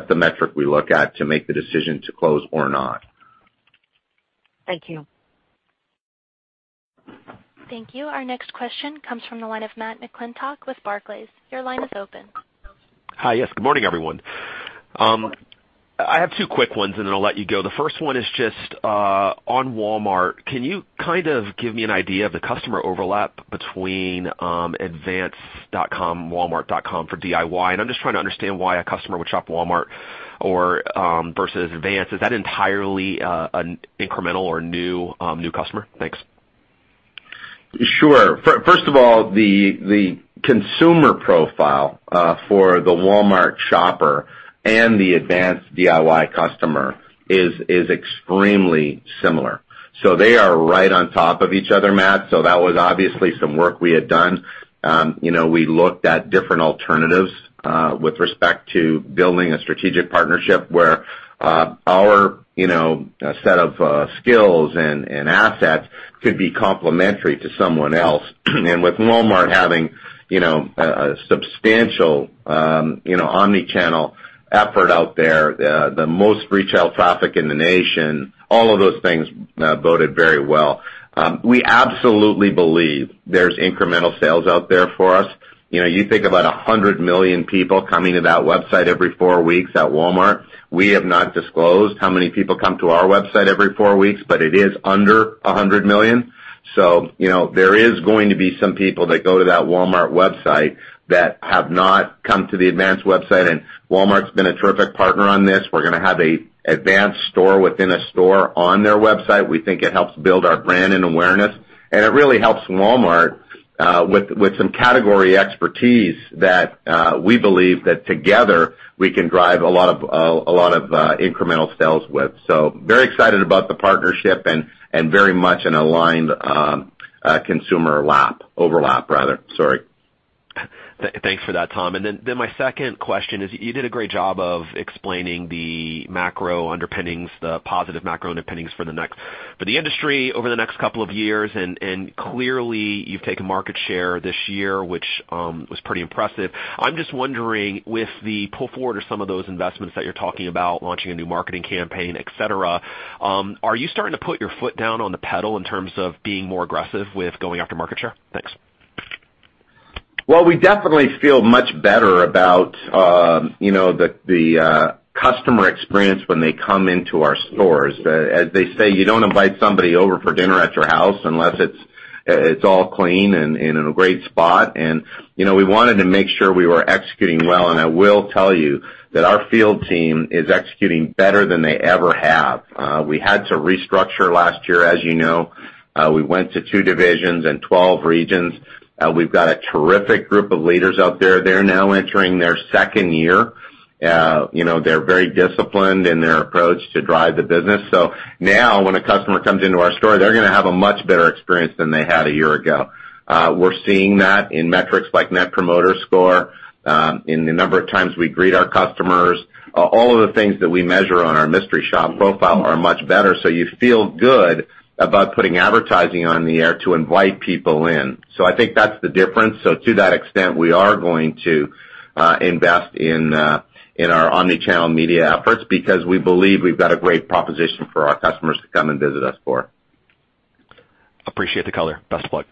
the metric we look at to make the decision to close or not. Thank you. Thank you. Our next question comes from the line of Matt McClintock with Barclays. Your line is open. Hi. Yes. Good morning, everyone. I have two quick ones, then I'll let you go. The first one is just on Walmart. Can you kind of give me an idea of the customer overlap between AdvanceAutoParts.com, walmart.com for DIY? I'm just trying to understand why a customer would shop Walmart versus Advance. Is that entirely an incremental or new customer? Thanks. Sure. First of all, the consumer profile for the Walmart shopper and the Advance DIY customer is extremely similar. They are right on top of each other, Matt. That was obviously some work we had done. We looked at different alternatives with respect to building a strategic partnership where our set of skills and assets could be complementary to someone else. With Walmart having a substantial omni-channel effort out there, the most retail traffic in the nation, all of those things boded very well. We absolutely believe there's incremental sales out there for us. You think about 100 million people coming to that website every four weeks at Walmart. We have not disclosed how many people come to our website every four weeks, but it is under 100 million. There is going to be some people that go to that Walmart website that have not come to the Advance website, Walmart's been a terrific partner on this. We're going to have an Advance store within a store on their website. We think it helps build our brand and awareness, it really helps Walmart with some category expertise that we believe that together we can drive a lot of incremental sales with. Very excited about the partnership and very much an aligned consumer lap. Overlap, rather. Sorry. Thanks for that, Tom. My second question is, you did a great job of explaining the positive macro underpinnings for the industry over the next couple of years, and clearly you've taken market share this year, which was pretty impressive. I'm just wondering with the pull forward or some of those investments that you're talking about, launching a new marketing campaign, et cetera, are you starting to put your foot down on the pedal in terms of being more aggressive with going after market share? Thanks. Well, we definitely feel much better about the customer experience when they come into our stores. As they say, you don't invite somebody over for dinner at your house unless it's all clean and in a great spot. We wanted to make sure we were executing well, and I will tell you that our field team is executing better than they ever have. We had to restructure last year, as you know. We went to two divisions and 12 regions. We've got a terrific group of leaders out there. They're now entering their second year. They're very disciplined in their approach to drive the business. Now when a customer comes into our store, they're going to have a much better experience than they had a year ago. We're seeing that in metrics like Net Promoter Score, in the number of times we greet our customers. All of the things that we measure on our mystery shop profile are much better, you feel good about putting advertising on the air to invite people in. I think that's the difference. To that extent, we are going to invest in our omni-channel media efforts because we believe we've got a great proposition for our customers to come and visit us for. Appreciate the color. Best of luck.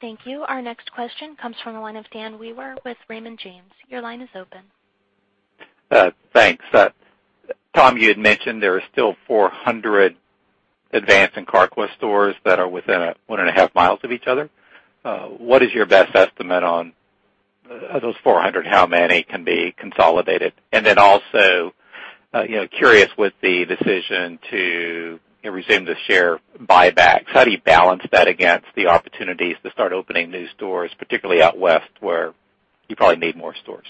Thank you. Our next question comes from the line of Dan Wewer with Raymond James. Your line is open. Thanks. Tom, you had mentioned there are still 400 Advance and Carquest stores that are within one and a half miles of each other. What is your best estimate on of those 400, how many can be consolidated? Also, curious with the decision to resume the share buybacks, how do you balance that against the opportunities to start opening new stores, particularly out West, where you probably need more stores?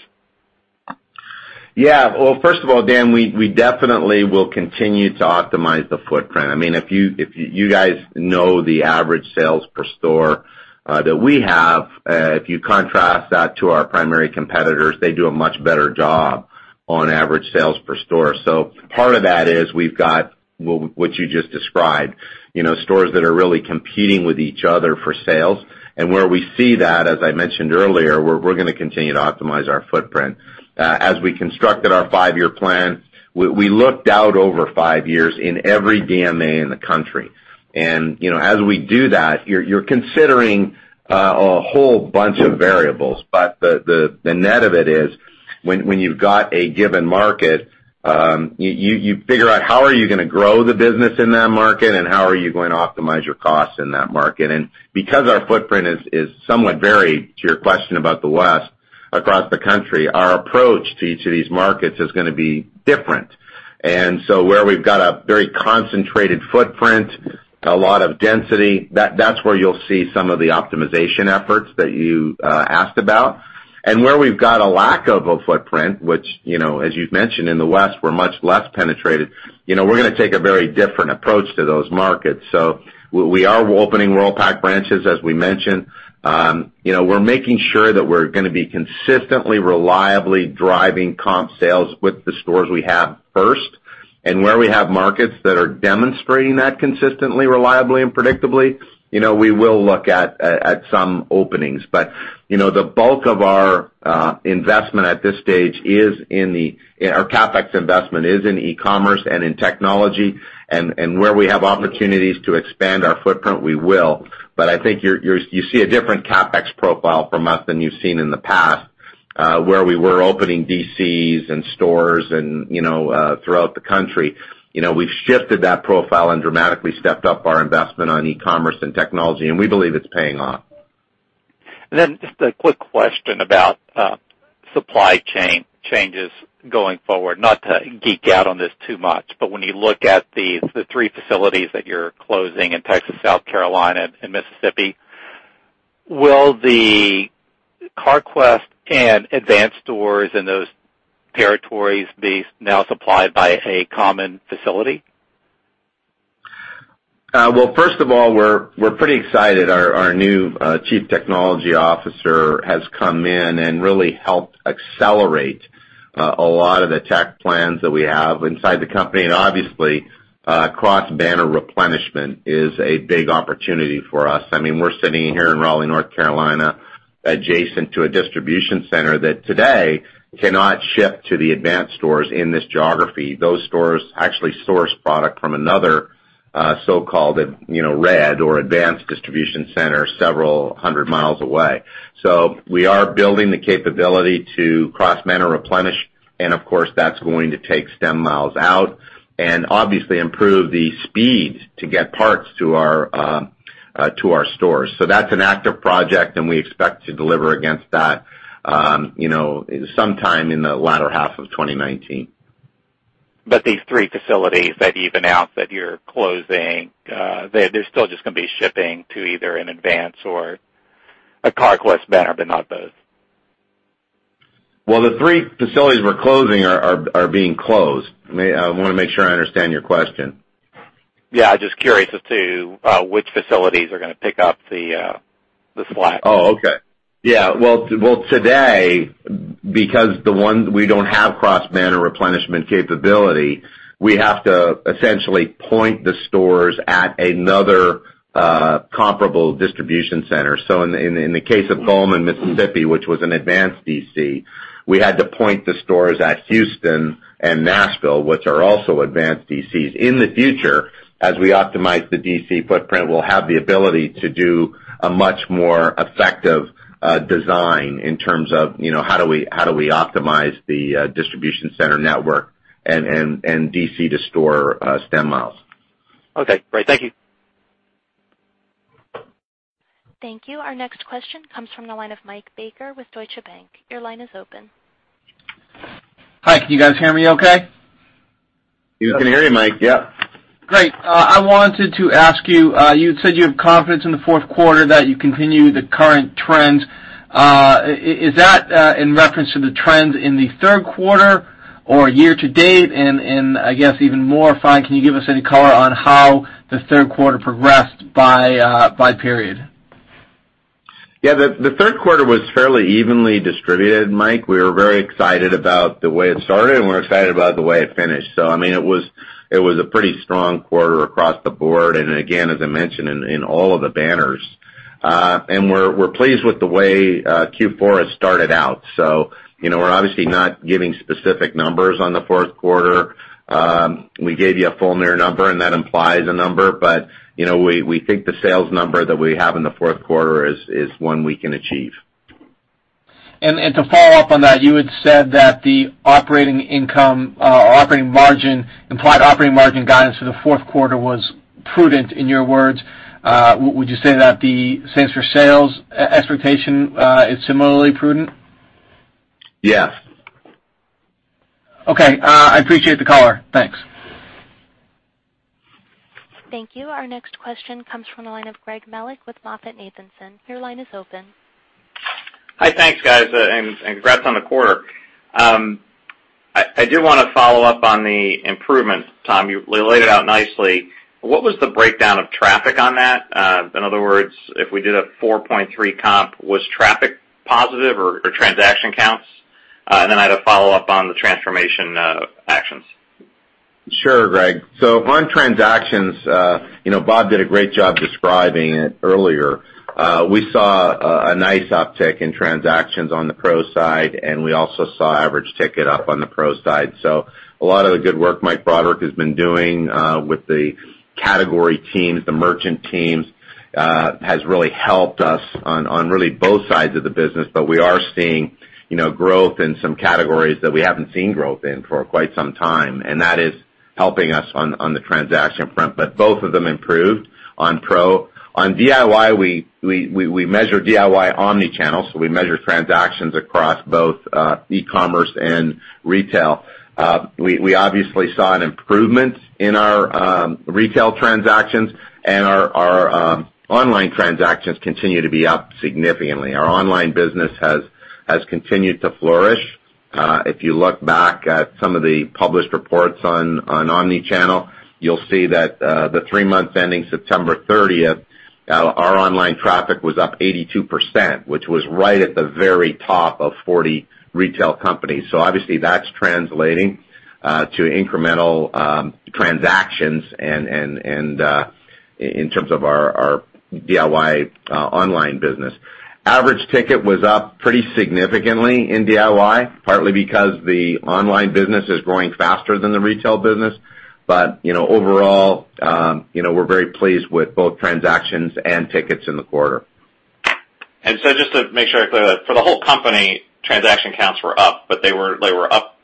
Well, first of all, Dan, we definitely will continue to optimize the footprint. If you guys know the average sales per store that we have, if you contrast that to our primary competitors, they do a much better job on average sales per store. Part of that is we've got what you just described, stores that are really competing with each other for sales. Where we see that, as I mentioned earlier, we're going to continue to optimize our footprint. As we constructed our five-year plan, we looked out over five years in every DMA in the country. As we do that, you're considering a whole bunch of variables. The net of it is, when you've got a given market, you figure out how are you going to grow the business in that market, how are you going to optimize your costs in that market. Because our footprint is somewhat varied, to your question about the West, across the country, our approach to each of these markets is going to be different. Where we've got a very concentrated footprint, a lot of density, that's where you'll see some of the optimization efforts that you asked about. Where we've got a lack of a footprint, which, as you've mentioned, in the West, we're much less penetrated, we're going to take a very different approach to those markets. We are opening Worldpac branches, as we mentioned. We're making sure that we're going to be consistently, reliably driving comp sales with the stores we have first. Where we have markets that are demonstrating that consistently, reliably, and predictably, we will look at some openings. The bulk of our CapEx investment is in e-commerce and in technology. Where we have opportunities to expand our footprint, we will. I think you see a different CapEx profile from us than you've seen in the past, where we were opening DCs and stores throughout the country. We've shifted that profile and dramatically stepped up our investment on e-commerce and technology, and we believe it's paying off. Just a quick question about supply chain changes going forward. Not to geek out on this too much, when you look at the three facilities that you're closing in Texas, South Carolina, and Mississippi, will the Carquest and Advance stores in those territories be now supplied by a common facility? Well, first of all, we're pretty excited. Our new chief technology officer has come in and really helped accelerate a lot of the tech plans that we have inside the company. Obviously, cross-banner replenishment is a big opportunity for us. We're sitting here in Raleigh, North Carolina, adjacent to a distribution center that today cannot ship to the Advance stores in this geography. Those stores actually source product from another so-called red or Advance distribution center several hundred miles away. We are building the capability to cross-banner replenish, and of course, that's going to take stem miles out and obviously improve the speed to get parts to our stores. That's an active project, and we expect to deliver against that sometime in the latter half of 2019. These three facilities that you've announced that you're closing, they're still just going to be shipping to either an Advance or a Carquest banner, but not both. The three facilities we're closing are being closed. I want to make sure I understand your question. Just curious as to which facilities are going to pick up the slack. Today, because the ones we don't have cross-banner replenishment capability, we have to essentially point the stores at another comparable distribution center. So in the case of Gallman, Mississippi, which was an Advance DC, we had to point the stores at Houston and Nashville, which are also Advance DCs. In the future, as we optimize the DC footprint, we'll have the ability to do a much more effective design in terms of how do we optimize the distribution center network. DC to store stem miles. Great. Thank you. Thank you. Our next question comes from the line of Michael Baker with Deutsche Bank. Your line is open. Hi. Can you guys hear me okay? Yes. We can hear you, Mike. Yeah. Great. I wanted to ask you had said you have confidence in the fourth quarter that you continue the current trends. Is that in reference to the trends in the third quarter or year-to-date? I guess even more fine, can you give us any color on how the third quarter progressed by period? Yeah. The third quarter was fairly evenly distributed, Mike. We were very excited about the way it started, and we're excited about the way it finished. It was a pretty strong quarter across the board, and again, as I mentioned, in all of the banners. We're pleased with the way Q4 has started out. We're obviously not giving specific numbers on the fourth quarter. We gave you a full year number, and that implies a number. We think the sales number that we have in the fourth quarter is one we can achieve. To follow up on that, you had said that the operating margin, implied operating margin guidance for the fourth quarter was prudent, in your words. Would you say that the same for sales expectation is similarly prudent? Yes. Okay. I appreciate the color. Thanks. Thank you. Our next question comes from the line of Greg Melich with MoffettNathanson. Your line is open. Hi. Thanks, guys, and congrats on the quarter. I do want to follow up on the improvements, Tom. You laid it out nicely. What was the breakdown of traffic on that? In other words, if we did a 4.3 comp, was traffic positive or transaction counts? I had a follow-up on the transformation actions. Sure, Greg. On transactions, Bob did a great job describing it earlier. We saw a nice uptick in transactions on the pro side, and we also saw average ticket up on the pro side. A lot of the good work Mike Broderick has been doing with the category teams, the merchant teams, has really helped us on really both sides of the business. We are seeing growth in some categories that we haven't seen growth in for quite some time, and that is helping us on the transaction front. Both of them improved on pro. On DIY, we measure DIY omni-channel, we measure transactions across both e-commerce and retail. We obviously saw an improvement in our retail transactions, and our online transactions continue to be up significantly. Our online business has continued to flourish. If you look back at some of the published reports on omni-channel, you'll see that the three months ending September 30th, our online traffic was up 82%, which was right at the very top of 40 retail companies. Obviously, that's translating to incremental transactions and in terms of our DIY online business. Average ticket was up pretty significantly in DIY, partly because the online business is growing faster than the retail business. Overall, we're very pleased with both transactions and tickets in the quarter. Just to make sure I clear that, for the whole company, transaction counts were up, but they were up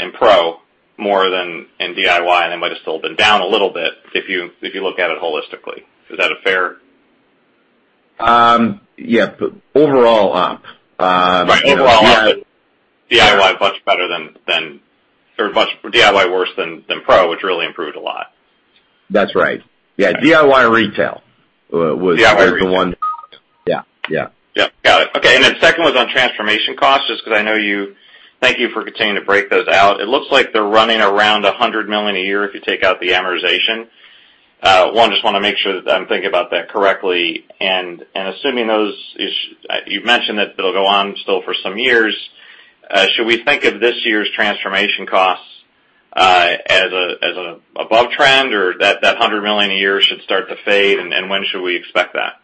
in pro more than in DIY, and they might have still been down a little bit if you look at it holistically. Is that fair? Yeah. Overall up. Right. Overall up, but DIY much worse than pro, which really improved a lot. That's right. Yeah. DIY retail was. DIY retail the one. Yeah. Yeah. Got it. Okay. Second one's on transformation costs, just because I know you, thank you for continuing to break those out. It looks like they're running around $100 million a year if you take out the amortization. I just want to make sure that I'm thinking about that correctly. Assuming those, you've mentioned that it'll go on still for some years, should we think of this year's transformation costs as above trend, or that $100 million a year should start to fade, and when should we expect that?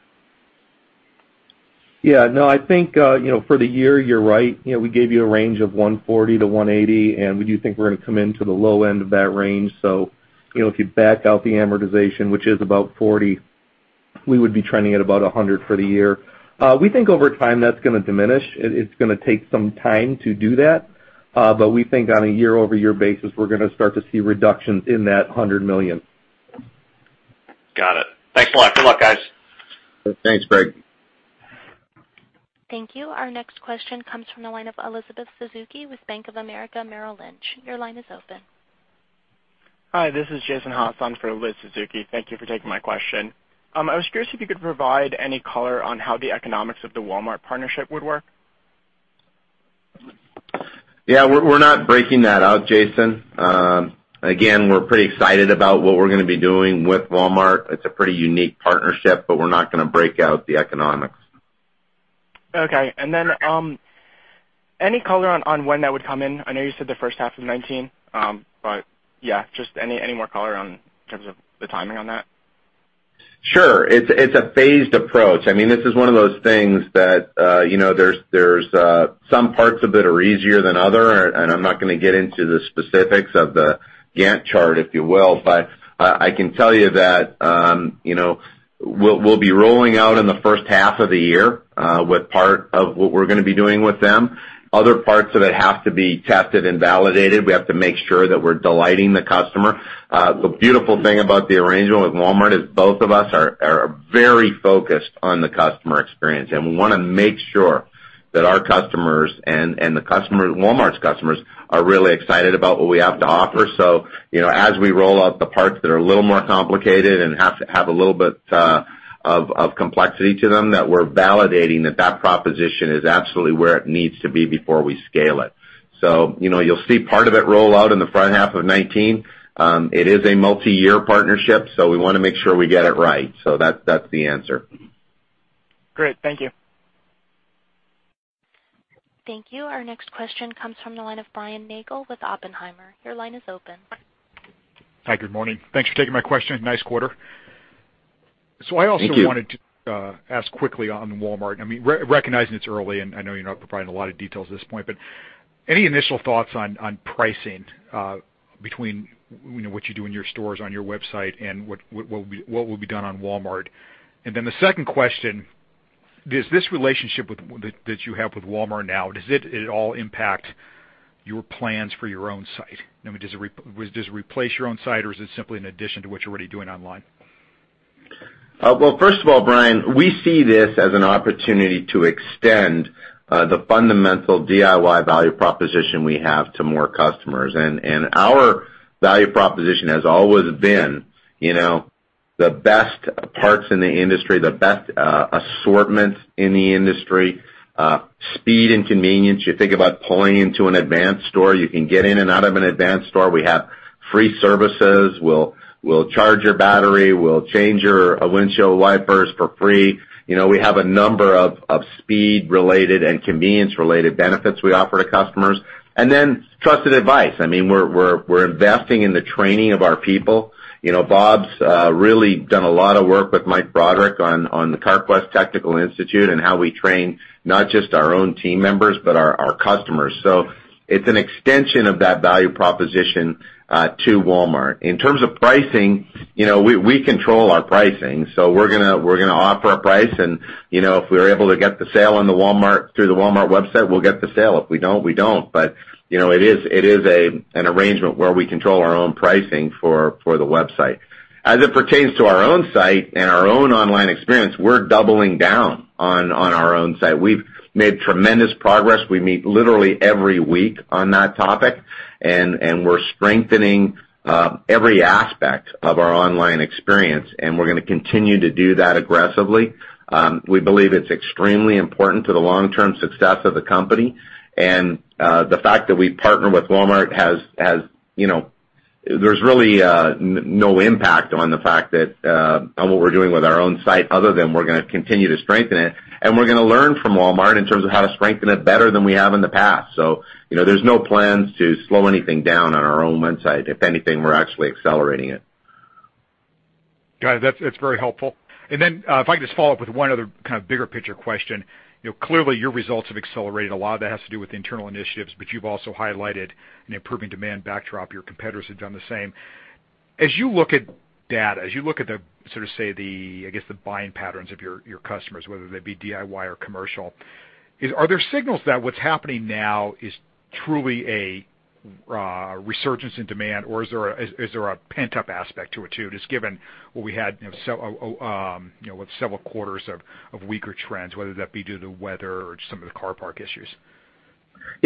Yeah. No, I think, for the year, you're right. We gave you a range of $140-$180, we do think we're going to come into the low end of that range. If you back out the amortization, which is about $40, we would be trending at about $100 for the year. We think over time that's going to diminish. It's going to take some time to do that. We think on a year-over-year basis, we're going to start to see reductions in that $100 million. Got it. Thanks a lot. Good luck, guys. Thanks, Greg. Thank you. Our next question comes from the line of Elizabeth Suzuki with Bank of America Merrill Lynch. Your line is open. Hi, this is Jason Haas for Liz Suzuki. Thank you for taking my question. I was curious if you could provide any color on how the economics of the Walmart partnership would work. Yeah. We're not breaking that out, Jason. Again, we're pretty excited about what we're going to be doing with Walmart. It's a pretty unique partnership. We're not going to break out the economics. Okay. Any color on when that would come in? I know you said the first half of 2019. Yeah, just any more color in terms of the timing on that? Sure. It's a phased approach. This is one of those things that there's some parts of it are easier than other, and I'm not going to get into the specifics of the Gantt chart, if you will. I can tell you that. We'll be rolling out in the first half of the year with part of what we're going to be doing with them. Other parts of it have to be tested and validated. We have to make sure that we're delighting the customer. The beautiful thing about the arrangement with Walmart is both of us are very focused on the customer experience, and we want to make sure that our customers and Walmart's customers are really excited about what we have to offer. As we roll out the parts that are a little more complicated and have a little bit of complexity to them, that we're validating that proposition is absolutely where it needs to be before we scale it. You'll see part of it roll out in the front half of 2019. It is a multi-year partnership, so we want to make sure we get it right. That's the answer. Great. Thank you. Thank you. Our next question comes from the line of Brian Nagel with Oppenheimer. Your line is open. Hi, good morning. Thanks for taking my question. Nice quarter. Thank you. I also wanted to ask quickly on Walmart, recognizing it's early, and I know you're not providing a lot of details at this point, but any initial thoughts on pricing, between what you do in your stores, on your website and what will be done on Walmart? The second question, does this relationship that you have with Walmart now, does it at all impact your plans for your own site? I mean, does it replace your own site or is it simply an addition to what you're already doing online? Well, first of all, Brian, we see this as an opportunity to extend the fundamental DIY value proposition we have to more customers. Our value proposition has always been the best parts in the industry, the best assortments in the industry, speed and convenience. You think about pulling into an Advance store, you can get in and out of an Advance store. We have free services. We'll charge your battery, we'll change your windshield wipers for free. We have a number of speed-related and convenience-related benefits we offer to customers. Then trusted advice. I mean, we're investing in the training of our people. Bob's really done a lot of work with Mike Broderick on the Carquest Technical Institute and how we train not just our own team members, but our customers. It's an extension of that value proposition to Walmart. In terms of pricing, we control our pricing. We're going to offer a price and if we're able to get the sale through the walmart.com, we'll get the sale. If we don't, we don't. It is an arrangement where we control our own pricing for the website. As it pertains to our own site and our own online experience, we're doubling down on our own site. We've made tremendous progress. We meet literally every week on that topic, and we're strengthening every aspect of our online experience, and we're going to continue to do that aggressively. We believe it's extremely important to the long-term success of the company, and the fact that we partner with Walmart there's really no impact on the fact that, on what we're doing with our own site other than we're going to continue to strengthen it, and we're going to learn from Walmart in terms of how to strengthen it better than we have in the past. There's no plans to slow anything down on our own site. If anything, we're actually accelerating it. Got it. That's very helpful. Then if I could just follow up with one other kind of bigger picture question. Clearly, your results have accelerated. A lot of that has to do with internal initiatives, but you've also highlighted an improving demand backdrop. Your competitors have done the same. As you look at data, as you look at the sort of, say, I guess, the buying patterns of your customers, whether they be DIY or commercial, are there signals that what's happening now is truly a resurgence in demand, or is there a pent-up aspect to it too, just given what we had with several quarters of weaker trends, whether that be due to weather or just some of the car park issues?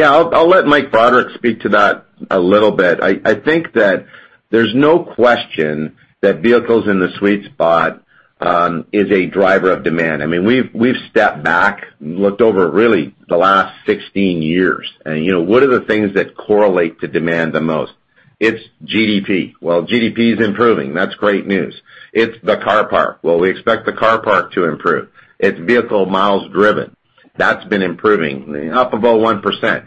I'll let Mike Broderick speak to that a little bit. I think that there's no question that vehicles in the sweet spot is a driver of demand. I mean, we've stepped back and looked over really the last 16 years and what are the things that correlate to demand the most? It's GDP. Well, GDP is improving. That's great news. It's the car park. Well, we expect the car park to improve. It's vehicle miles driven. That's been improving, up about 1%.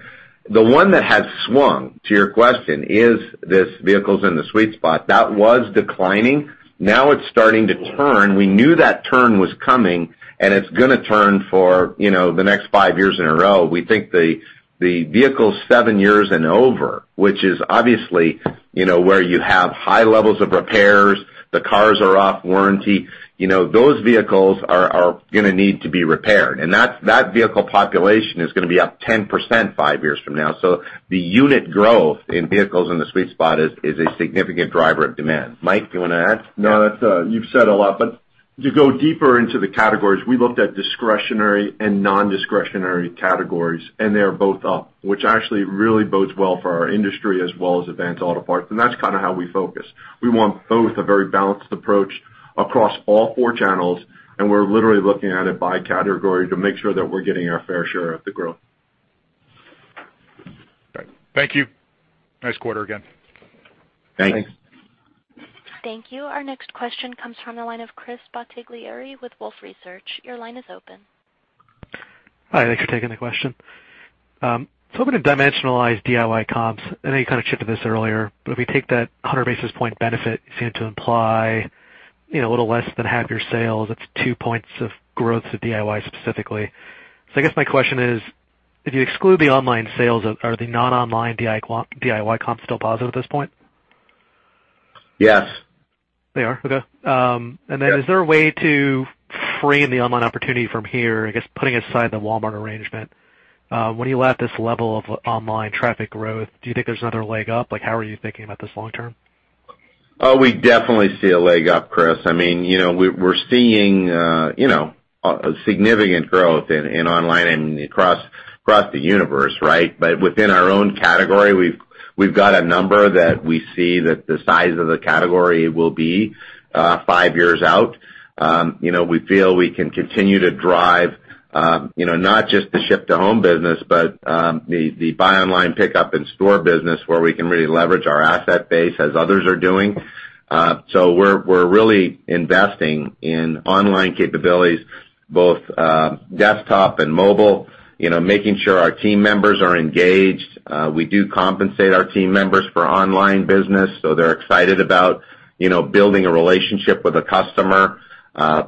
The one that has swung, to your question, is this vehicles in the sweet spot. That was declining. Now it's starting to turn. We knew that turn was coming, and it's going to turn for the next five years in a row. We think the vehicles seven years and over, which is obviously where you have high levels of repairs, the cars are off warranty, those vehicles are going to need to be repaired. That vehicle population is going to be up 10% five years from now. The unit growth in vehicles in the sweet spot is a significant driver of demand. Mike, do you want to add? No, you've said a lot, to go deeper into the categories, we looked at discretionary and non-discretionary categories, and they are both up, which actually really bodes well for our industry as well as Advance Auto Parts, and that's kind of how we focus. We want both a very balanced approach across all four channels, and we're literally looking at it by category to make sure that we're getting our fair share of the growth. Great. Thank you. Nice quarter again. Thanks. Thanks. Thank you. Our next question comes from the line of Chris Bottiglieri with Wolfe Research. Your line is open. Hi, thanks for taking the question. I'm going to dimensionalize DIY comps. I know you kind of chipped at this earlier, but if we take that 100 basis point benefit, you seem to imply a little less than half your sales, that's two points of growth to DIY specifically. I guess my question is, if you exclude the online sales, are the non-online DIY comps still positive at this point? Yes. They are? Okay. Yes. Is there a way to frame the online opportunity from here, I guess putting aside the Walmart arrangement? When you look at this level of online traffic growth, do you think there's another leg up? How are you thinking about this long term? We definitely see a leg up, Chris. We're seeing significant growth in online and across the universe, right? Within our own category, we've got a number that we see that the size of the category will be five years out. We feel we can continue to drive not just the ship-to-home business, but the buy online pickup in-store business where we can really leverage our asset base as others are doing. We're really investing in online capabilities, both desktop and mobile, making sure our team members are engaged. We do compensate our team members for online business, so they're excited about building a relationship with a customer.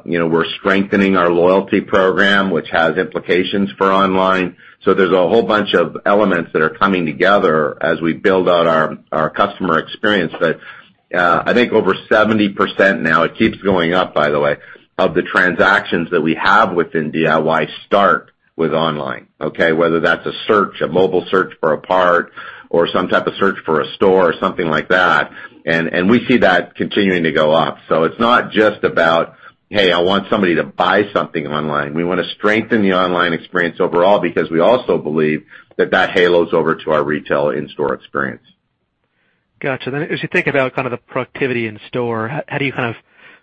We're strengthening our loyalty program, which has implications for online. There's a whole bunch of elements that are coming together as we build out our customer experience. I think over 70% now, it keeps going up, by the way, of the transactions that we have within DIY start with online, okay? Whether that's a search, a mobile search for a part, or some type of search for a store or something like that, and we see that continuing to go up. It's not just about, "Hey, I want somebody to buy something online." We want to strengthen the online experience overall because we also believe that that halos over to our retail in-store experience. Got you. As you think about kind of the productivity in store,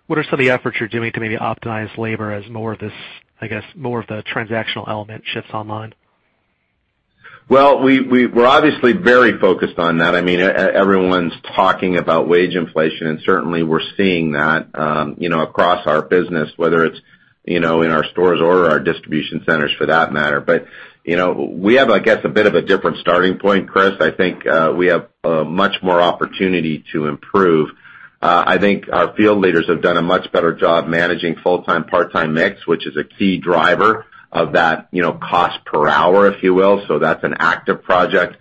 what are some of the efforts you're doing to maybe optimize labor as more of this, I guess, more of the transactional element shifts online? We're obviously very focused on that. Everyone's talking about wage inflation, and certainly we're seeing that across our business, whether it's in our stores or our distribution centers, for that matter. We have, I guess, a bit of a different starting point, Chris. I think we have much more opportunity to improve. I think our field leaders have done a much better job managing full-time/part-time mix, which is a key driver of that cost per hour, if you will. That's an active project.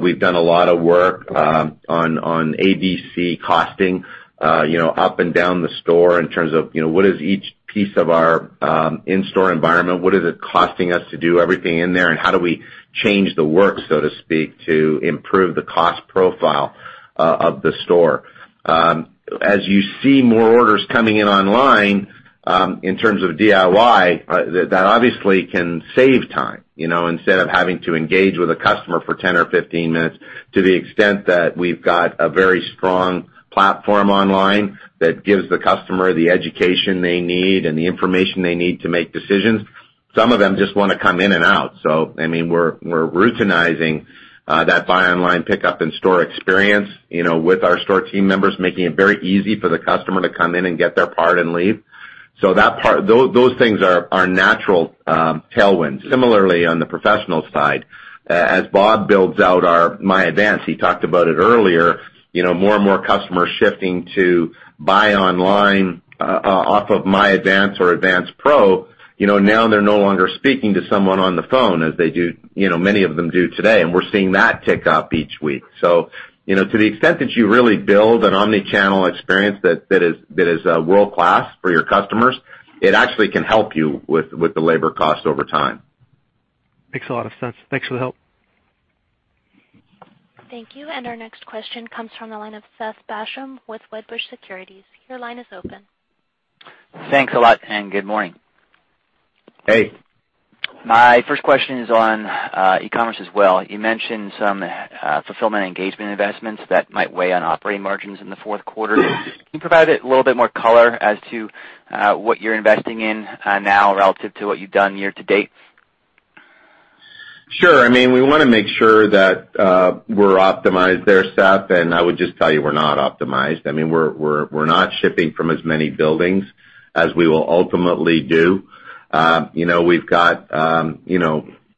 We've done a lot of work on Activity-Based Costing up and down the store in terms of what is each piece of our in-store environment, what is it costing us to do everything in there, and how do we change the work, so to speak, to improve the cost profile of the store? You see more orders coming in online in terms of DIY, that obviously can save time. Instead of having to engage with a customer for 10 or 15 minutes to the extent that we've got a very strong platform online that gives the customer the education they need and the information they need to make decisions. Some of them just want to come in and out. We're routinizing that buy online, pickup in-store experience with our store team members, making it very easy for the customer to come in and get their part and leave. Those things are natural tailwinds. Similarly, on the professionals side, as Bob builds out our myAdvance, he talked about it earlier, more and more customers shifting to buy online off of myAdvance or Advance Professional. Now they're no longer speaking to someone on the phone as many of them do today, we're seeing that tick up each week. To the extent that you really build an omni-channel experience that is world-class for your customers, it actually can help you with the labor cost over time. Makes a lot of sense. Thanks for the help. Thank you. Our next question comes from the line of Seth Basham with Wedbush Securities. Your line is open. Thanks a lot, good morning. Hey. My first question is on e-commerce as well. You mentioned some fulfillment engagement investments that might weigh on operating margins in the fourth quarter. Sure. Can you provide a little bit more color as to what you're investing in now relative to what you've done year to date? Sure. We want to make sure that we're optimized there, Seth, I would just tell you we're not optimized. We're not shipping from as many buildings as we will ultimately do. We've got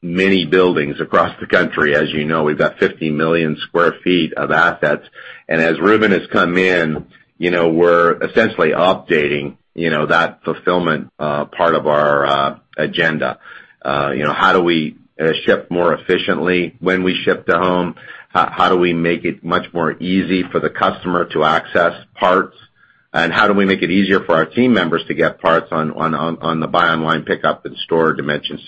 many buildings across the country, as you know. We've got 50 million sq ft of assets. As Reuben has come in, we're essentially updating that fulfillment part of our agenda. How do we ship more efficiently when we ship to home? How do we make it much more easy for the customer to access parts? How do we make it easier for our team members to get parts on the buy online, pickup in-store dimension?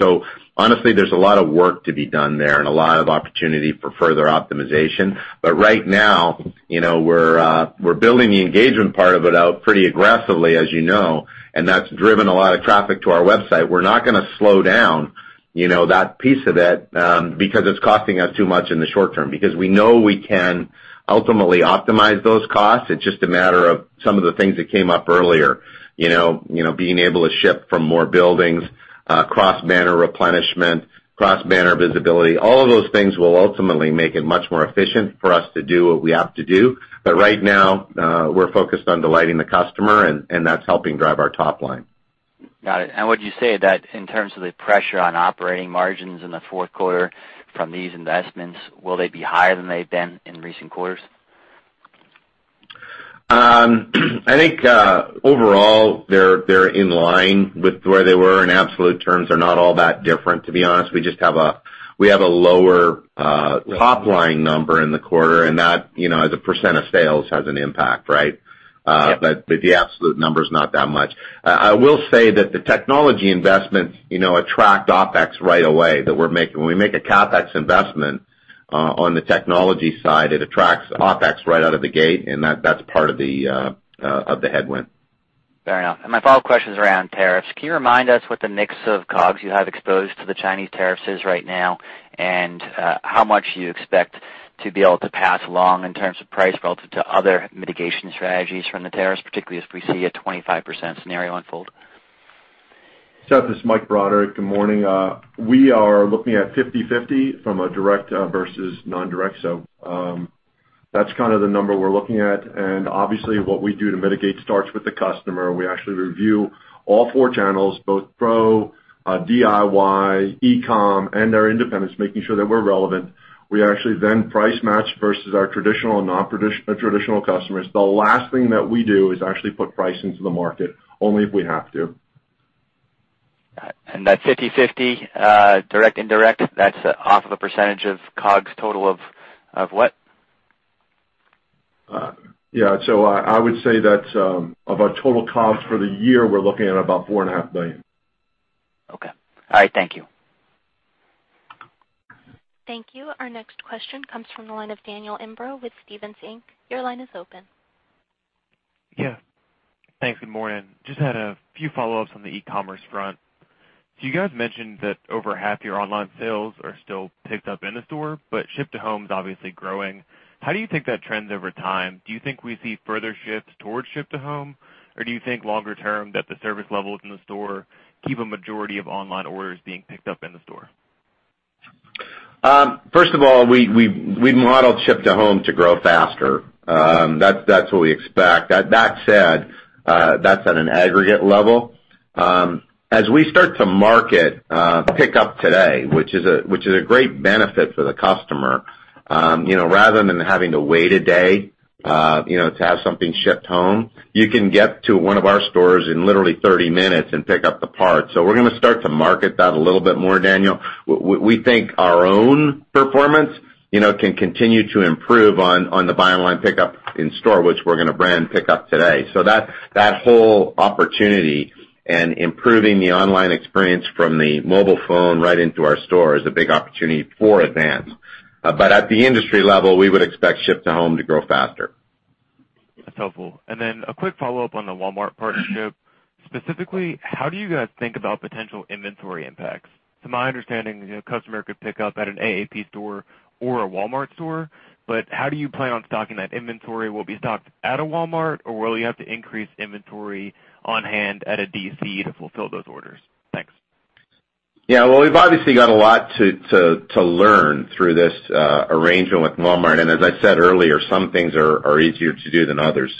Honestly, there's a lot of work to be done there and a lot of opportunity for further optimization. Right now, we're building the engagement part of it out pretty aggressively, as you know, that's driven a lot of traffic to our website. We're not going to slow down that piece of it because it's costing us too much in the short term, because we know we can ultimately optimize those costs. It's just a matter of some of the things that came up earlier. Being able to ship from more buildings, cross-banner replenishment, cross-banner visibility. All of those things will ultimately make it much more efficient for us to do what we have to do. Right now, we're focused on delighting the customer, and that's helping drive our top line. Got it. Would you say that in terms of the pressure on operating margins in the fourth quarter from these investments, will they be higher than they've been in recent quarters? I think, overall, they're in line with where they were in absolute terms. They're not all that different, to be honest. We just have a lower top-line number in the quarter, that, as a % of sales, has an impact, right? Yeah. The absolute number's not that much. I will say that the technology investments attract OpEx right away, when we make a CapEx investment on the technology side, it attracts OpEx right out of the gate, that's part of the headwind. Fair enough. My follow-up question is around tariffs. Can you remind us what the mix of COGS you have exposed to the Chinese tariffs is right now, and how much you expect to be able to pass along in terms of price relative to other mitigation strategies from the tariffs, particularly as we see a 25% scenario unfold? Seth, this is Mike Broderick. Good morning. We are looking at 50/50 from a direct versus non-direct. That's kind of the number we're looking at. Obviously, what we do to mitigate starts with the customer. We actually review all four channels, both pro, DIY, e-com, and our independents, making sure that we're relevant. We actually then price match versus our traditional and non-traditional customers. The last thing that we do is actually put price into the market, only if we have to. Got it. That 50/50, direct, indirect, that's off of a percentage of COGS total of what? Yeah. I would say that of our total COGS for the year, we're looking at about $4.5 billion. Okay. All right, thank you. Thank you. Our next question comes from the line of Daniel Imbro with Stephens Inc. Your line is open. Yeah. Thanks. Good morning. Just had a few follow-ups on the e-commerce front. You guys mentioned that over half your online sales are still picked up in the store, but ship to home's obviously growing. How do you think that trends over time? Do you think we see further shifts towards ship to home? Do you think longer term that the service levels in the store keep a majority of online orders being picked up in the store? First of all, we modeled ship to home to grow faster. That's what we expect. That said, that's at an aggregate level. As we start to market Pick Up Today, which is a great benefit for the customer, rather than having to wait a day to have something shipped home, you can get to one of our stores in literally 30 minutes and pick up the parts. We're going to start to market that a little bit more, Daniel. We think our own performance can continue to improve on the buy online/pick up in store, which we're going to brand Pick Up Today. That whole opportunity and improving the online experience from the mobile phone right into our store is a big opportunity for Advance. At the industry level, we would expect ship to home to grow faster. That's helpful. A quick follow-up on the Walmart partnership. Specifically, how do you guys think about potential inventory impacts? To my understanding, a customer could pick up at an AAP store or a Walmart store, how do you plan on stocking that inventory? Will it be stocked at a Walmart, will you have to increase inventory on hand at a DC to fulfill those orders? Thanks. Yeah. We've obviously got a lot to learn through this arrangement with Walmart. As I said earlier, some things are easier to do than others.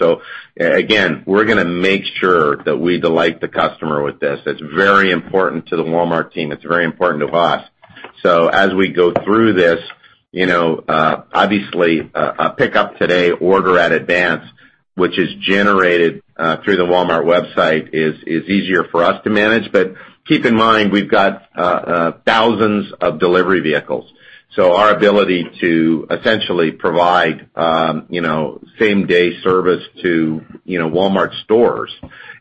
Again, we're going to make sure that we delight the customer with this. It's very important to the Walmart team. It's very important to us. As we go through this, obviously, a Pick Up Today order at Advance, which is generated through the walmart.com, is easier for us to manage. Keep in mind, we've got thousands of delivery vehicles. Our ability to essentially provide same-day service to Walmart stores,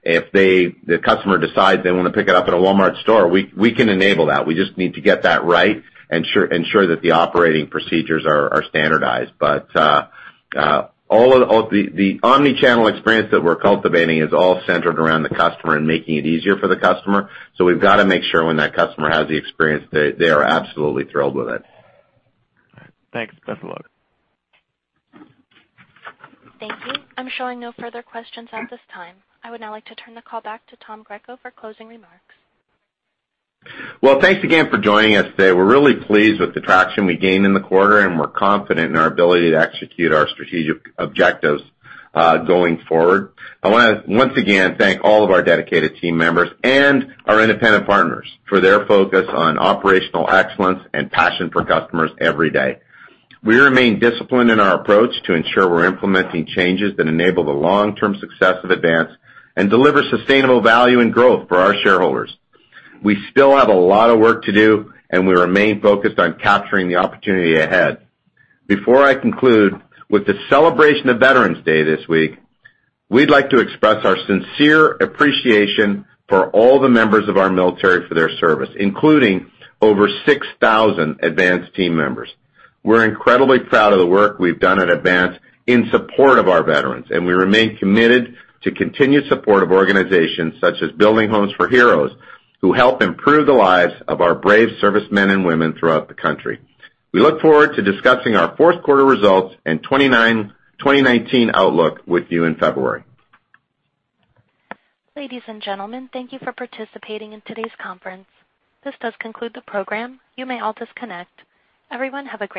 if the customer decides they want to pick it up at a Walmart store, we can enable that. We just need to get that right, ensure that the operating procedures are standardized. The omni-channel experience that we're cultivating is all centered around the customer and making it easier for the customer. We've got to make sure when that customer has the experience, they are absolutely thrilled with it. All right. Thanks. Best of luck. Thank you. I'm showing no further questions at this time. I would now like to turn the call back to Tom Greco for closing remarks. Well, thanks again for joining us today. We're really pleased with the traction we gained in the quarter, and we're confident in our ability to execute our strategic objectives going forward. I want to once again thank all of our dedicated team members and our independent partners for their focus on operational excellence and passion for customers every day. We remain disciplined in our approach to ensure we're implementing changes that enable the long-term success of Advance and deliver sustainable value and growth for our shareholders. We still have a lot of work to do, and we remain focused on capturing the opportunity ahead. Before I conclude, with the celebration of Veterans Day this week, we'd like to express our sincere appreciation for all the members of our military for their service, including over 6,000 Advance team members. We're incredibly proud of the work we've done at Advance in support of our veterans, and we remain committed to continued support of organizations such as Building Homes for Heroes, who help improve the lives of our brave servicemen and women throughout the country. We look forward to discussing our fourth quarter results and 2019 outlook with you in February. Ladies and gentlemen, thank you for participating in today's conference. This does conclude the program. You may all disconnect.